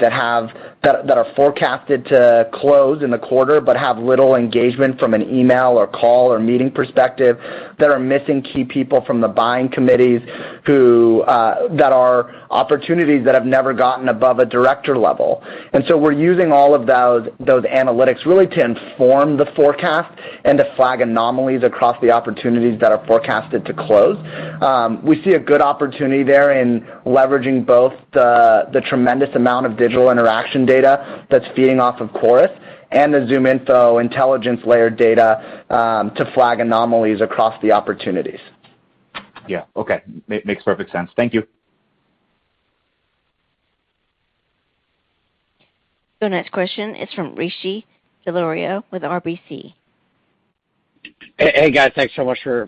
Speaker 3: that are forecasted to close in the quarter but have little engagement from an email or call or meeting perspective, that are missing key people from the buying committees, that are opportunities that have never gotten above a director level. We're using all of those analytics really to inform the forecast and to flag anomalies across the opportunities that are forecasted to close. We see a good opportunity there in leveraging both the tremendous amount of digital interaction data that's feeding off of Chorus and the ZoomInfo intelligence layer data to flag anomalies across the opportunities.
Speaker 16: Yeah. Okay. Makes perfect sense. Thank you.
Speaker 1: Next question is from Rishi Jaluria with RBC.
Speaker 17: Hey, guys. Thanks so much for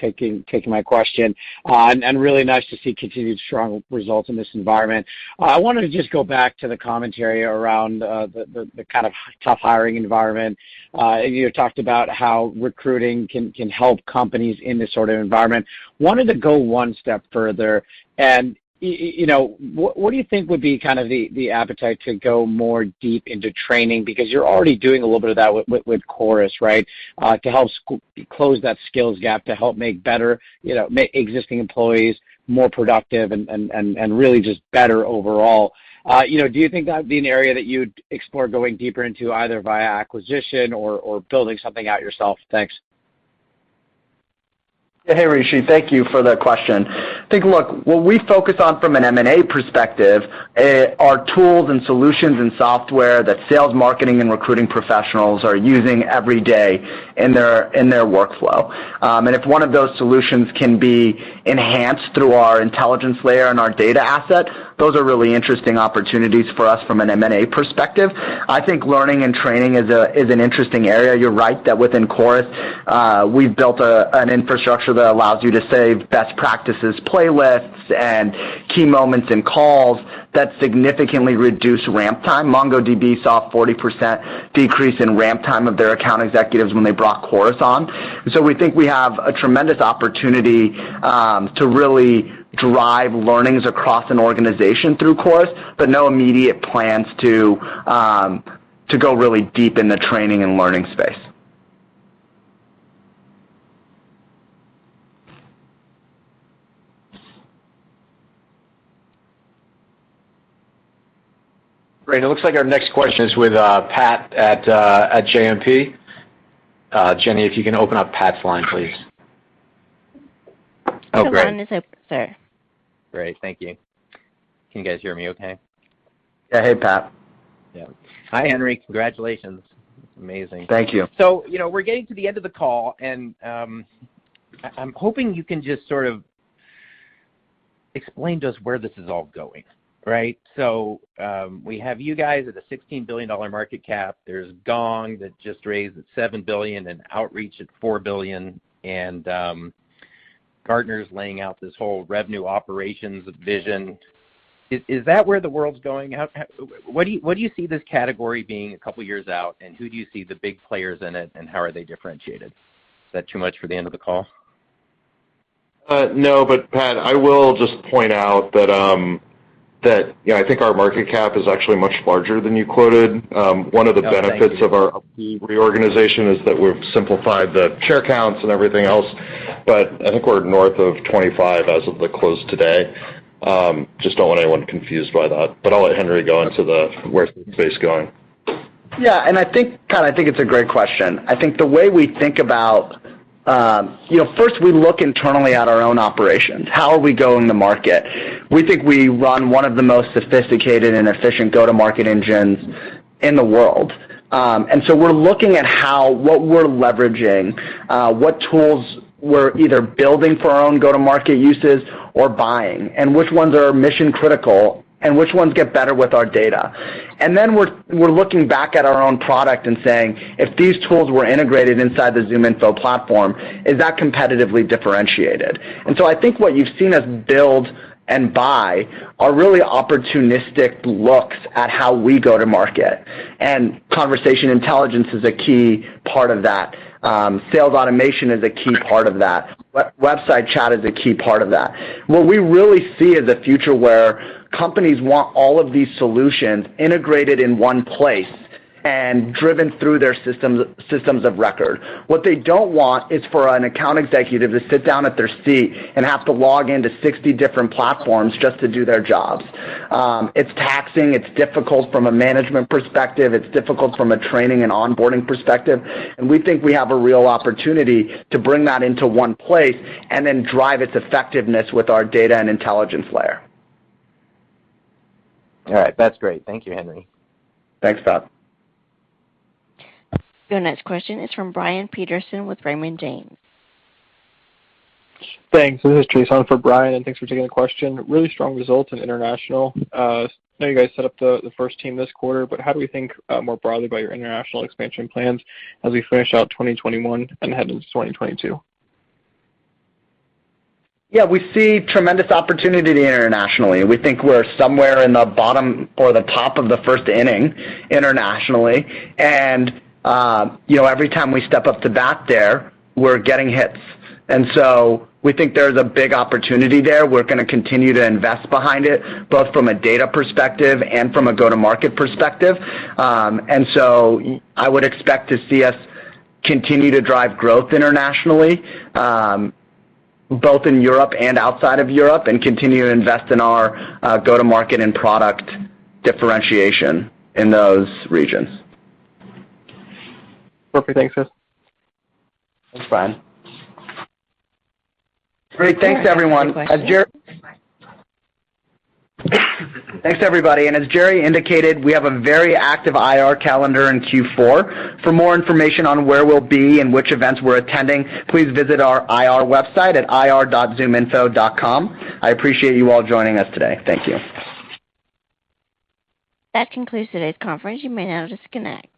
Speaker 17: taking my question. Really nice to see continued strong results in this environment. I wanted to just go back to the commentary around the kind of tough hiring environment. You talked about how recruiting can help companies in this sort of environment. Wanted to go one step further. You know, what do you think would be kind of the appetite to go more deep into training? Because you're already doing a little bit of that with Chorus, right? To help close that skills gap, to help make existing employees more productive and really just better overall. You know, do you think that'd be an area that you'd explore going deeper into either via acquisition or building something out yourself? Thanks.
Speaker 3: Hey, Rishi. Thank you for that question. I think, look, what we focus on from an M&A perspective are tools and solutions and software that sales, marketing, and recruiting professionals are using every day in their workflow. If one of those solutions can be enhanced through our intelligence layer and our data asset, those are really interesting opportunities for us from an M&A perspective. I think learning and training is an interesting area. You're right that within Chorus, we've built an infrastructure that allows you to save best practices playlists and key moments in calls that significantly reduce ramp time. MongoDB saw a 40% decrease in ramp time of their account executives when they brought Chorus on. We think we have a tremendous opportunity to really drive learnings across an organization through Chorus, but no immediate plans to go really deep in the training and learning space.
Speaker 4: Great. It looks like our next question is with Pat at JMP. Jenny, if you can open up Pat's line, please.
Speaker 1: Sure.
Speaker 4: Okay.
Speaker 1: Pat's line is open, sir.
Speaker 18: Great. Thank you. Can you guys hear me okay?
Speaker 4: Yeah. Hey, Pat.
Speaker 18: Yeah. Hi, Henry. Congratulations. Amazing.
Speaker 3: Thank you.
Speaker 18: You know, we're getting to the end of the call, and I'm hoping you can just sort of explain to us where this is all going, right? We have you guys at a $16 billion market cap. There's Gong that just raised at $7 billion and Outreach at $4 billion. Gartner's laying out this whole revenue operations vision. Is that where the world's going? What do you see this category being a couple years out, and who do you see the big players in it, and how are they differentiated? Is that too much for the end of the call?
Speaker 4: No. Pat, I will just point out that you know, I think our market cap is actually much larger than you quoted.
Speaker 18: Oh, thank you. One of the benefits of our reorganization is that we've simplified the share counts and everything else, but I think we're north of 25% as of the close today. Just don't want anyone confused by that, but I'll let Henry go into where the space is going.
Speaker 3: Yeah. I think, Pat, I think it's a great question. I think the way we think about. You know, first, we look internally at our own operations. How are we going to market? We think we run one of the most sophisticated and efficient go-to-market engines in the world. We're looking at how what we're leveraging, what tools we're either building for our own go-to-market uses or buying, and which ones are mission critical and which ones get better with our data. We're looking back at our own product and saying, "If these tools were integrated inside the ZoomInfo platform, is that competitively differentiated?" I think what you've seen us build and buy are really opportunistic looks at how we go to market, and conversation intelligence is a key part of that. Sales automation is a key part of that. Website chat is a key part of that. What we really see is a future where companies want all of these solutions integrated in one place and driven through their systems of record. What they don't want is for an account executive to sit down at their seat and have to log into 60 different platforms just to do their jobs. It's taxing, it's difficult from a management perspective, it's difficult from a training and onboarding perspective, and we think we have a real opportunity to bring that into one place and then drive its effectiveness with our data and intelligence layer.
Speaker 18: All right. That's great. Thank you, Henry.
Speaker 3: Thanks, Pat.
Speaker 1: Your next question is from Brian Peterson with Raymond James.
Speaker 19: Thanks. This is Jason for Brian, and thanks for taking the question. Really strong results in international. I know you guys set up the first team this quarter, but how do we think more broadly about your international expansion plans as we finish out 2021 and head into 2022?
Speaker 3: Yeah, we see tremendous opportunity internationally. We think we're somewhere in the bottom or the top of the first inning internationally. You know, every time we step up to bat there, we're getting hits. We think there's a big opportunity there. We're gonna continue to invest behind it, both from a data perspective and from a go-to-market perspective. I would expect to see us continue to drive growth internationally, both in Europe and outside of Europe, and continue to invest in our go-to-market and product differentiation in those regions.
Speaker 19: Perfect. Thanks, guys.
Speaker 3: Thanks, Brian. Great. Thanks, everyone.
Speaker 1: Questions.
Speaker 3: Thanks, everybody. As Jerry indicated, we have a very active IR calendar in Q4. For more information on where we'll be and which events we're attending, please visit our IR website at ir.zoominfo.com. I appreciate you all joining us today. Thank you.
Speaker 1: That concludes today's conference. You may now disconnect.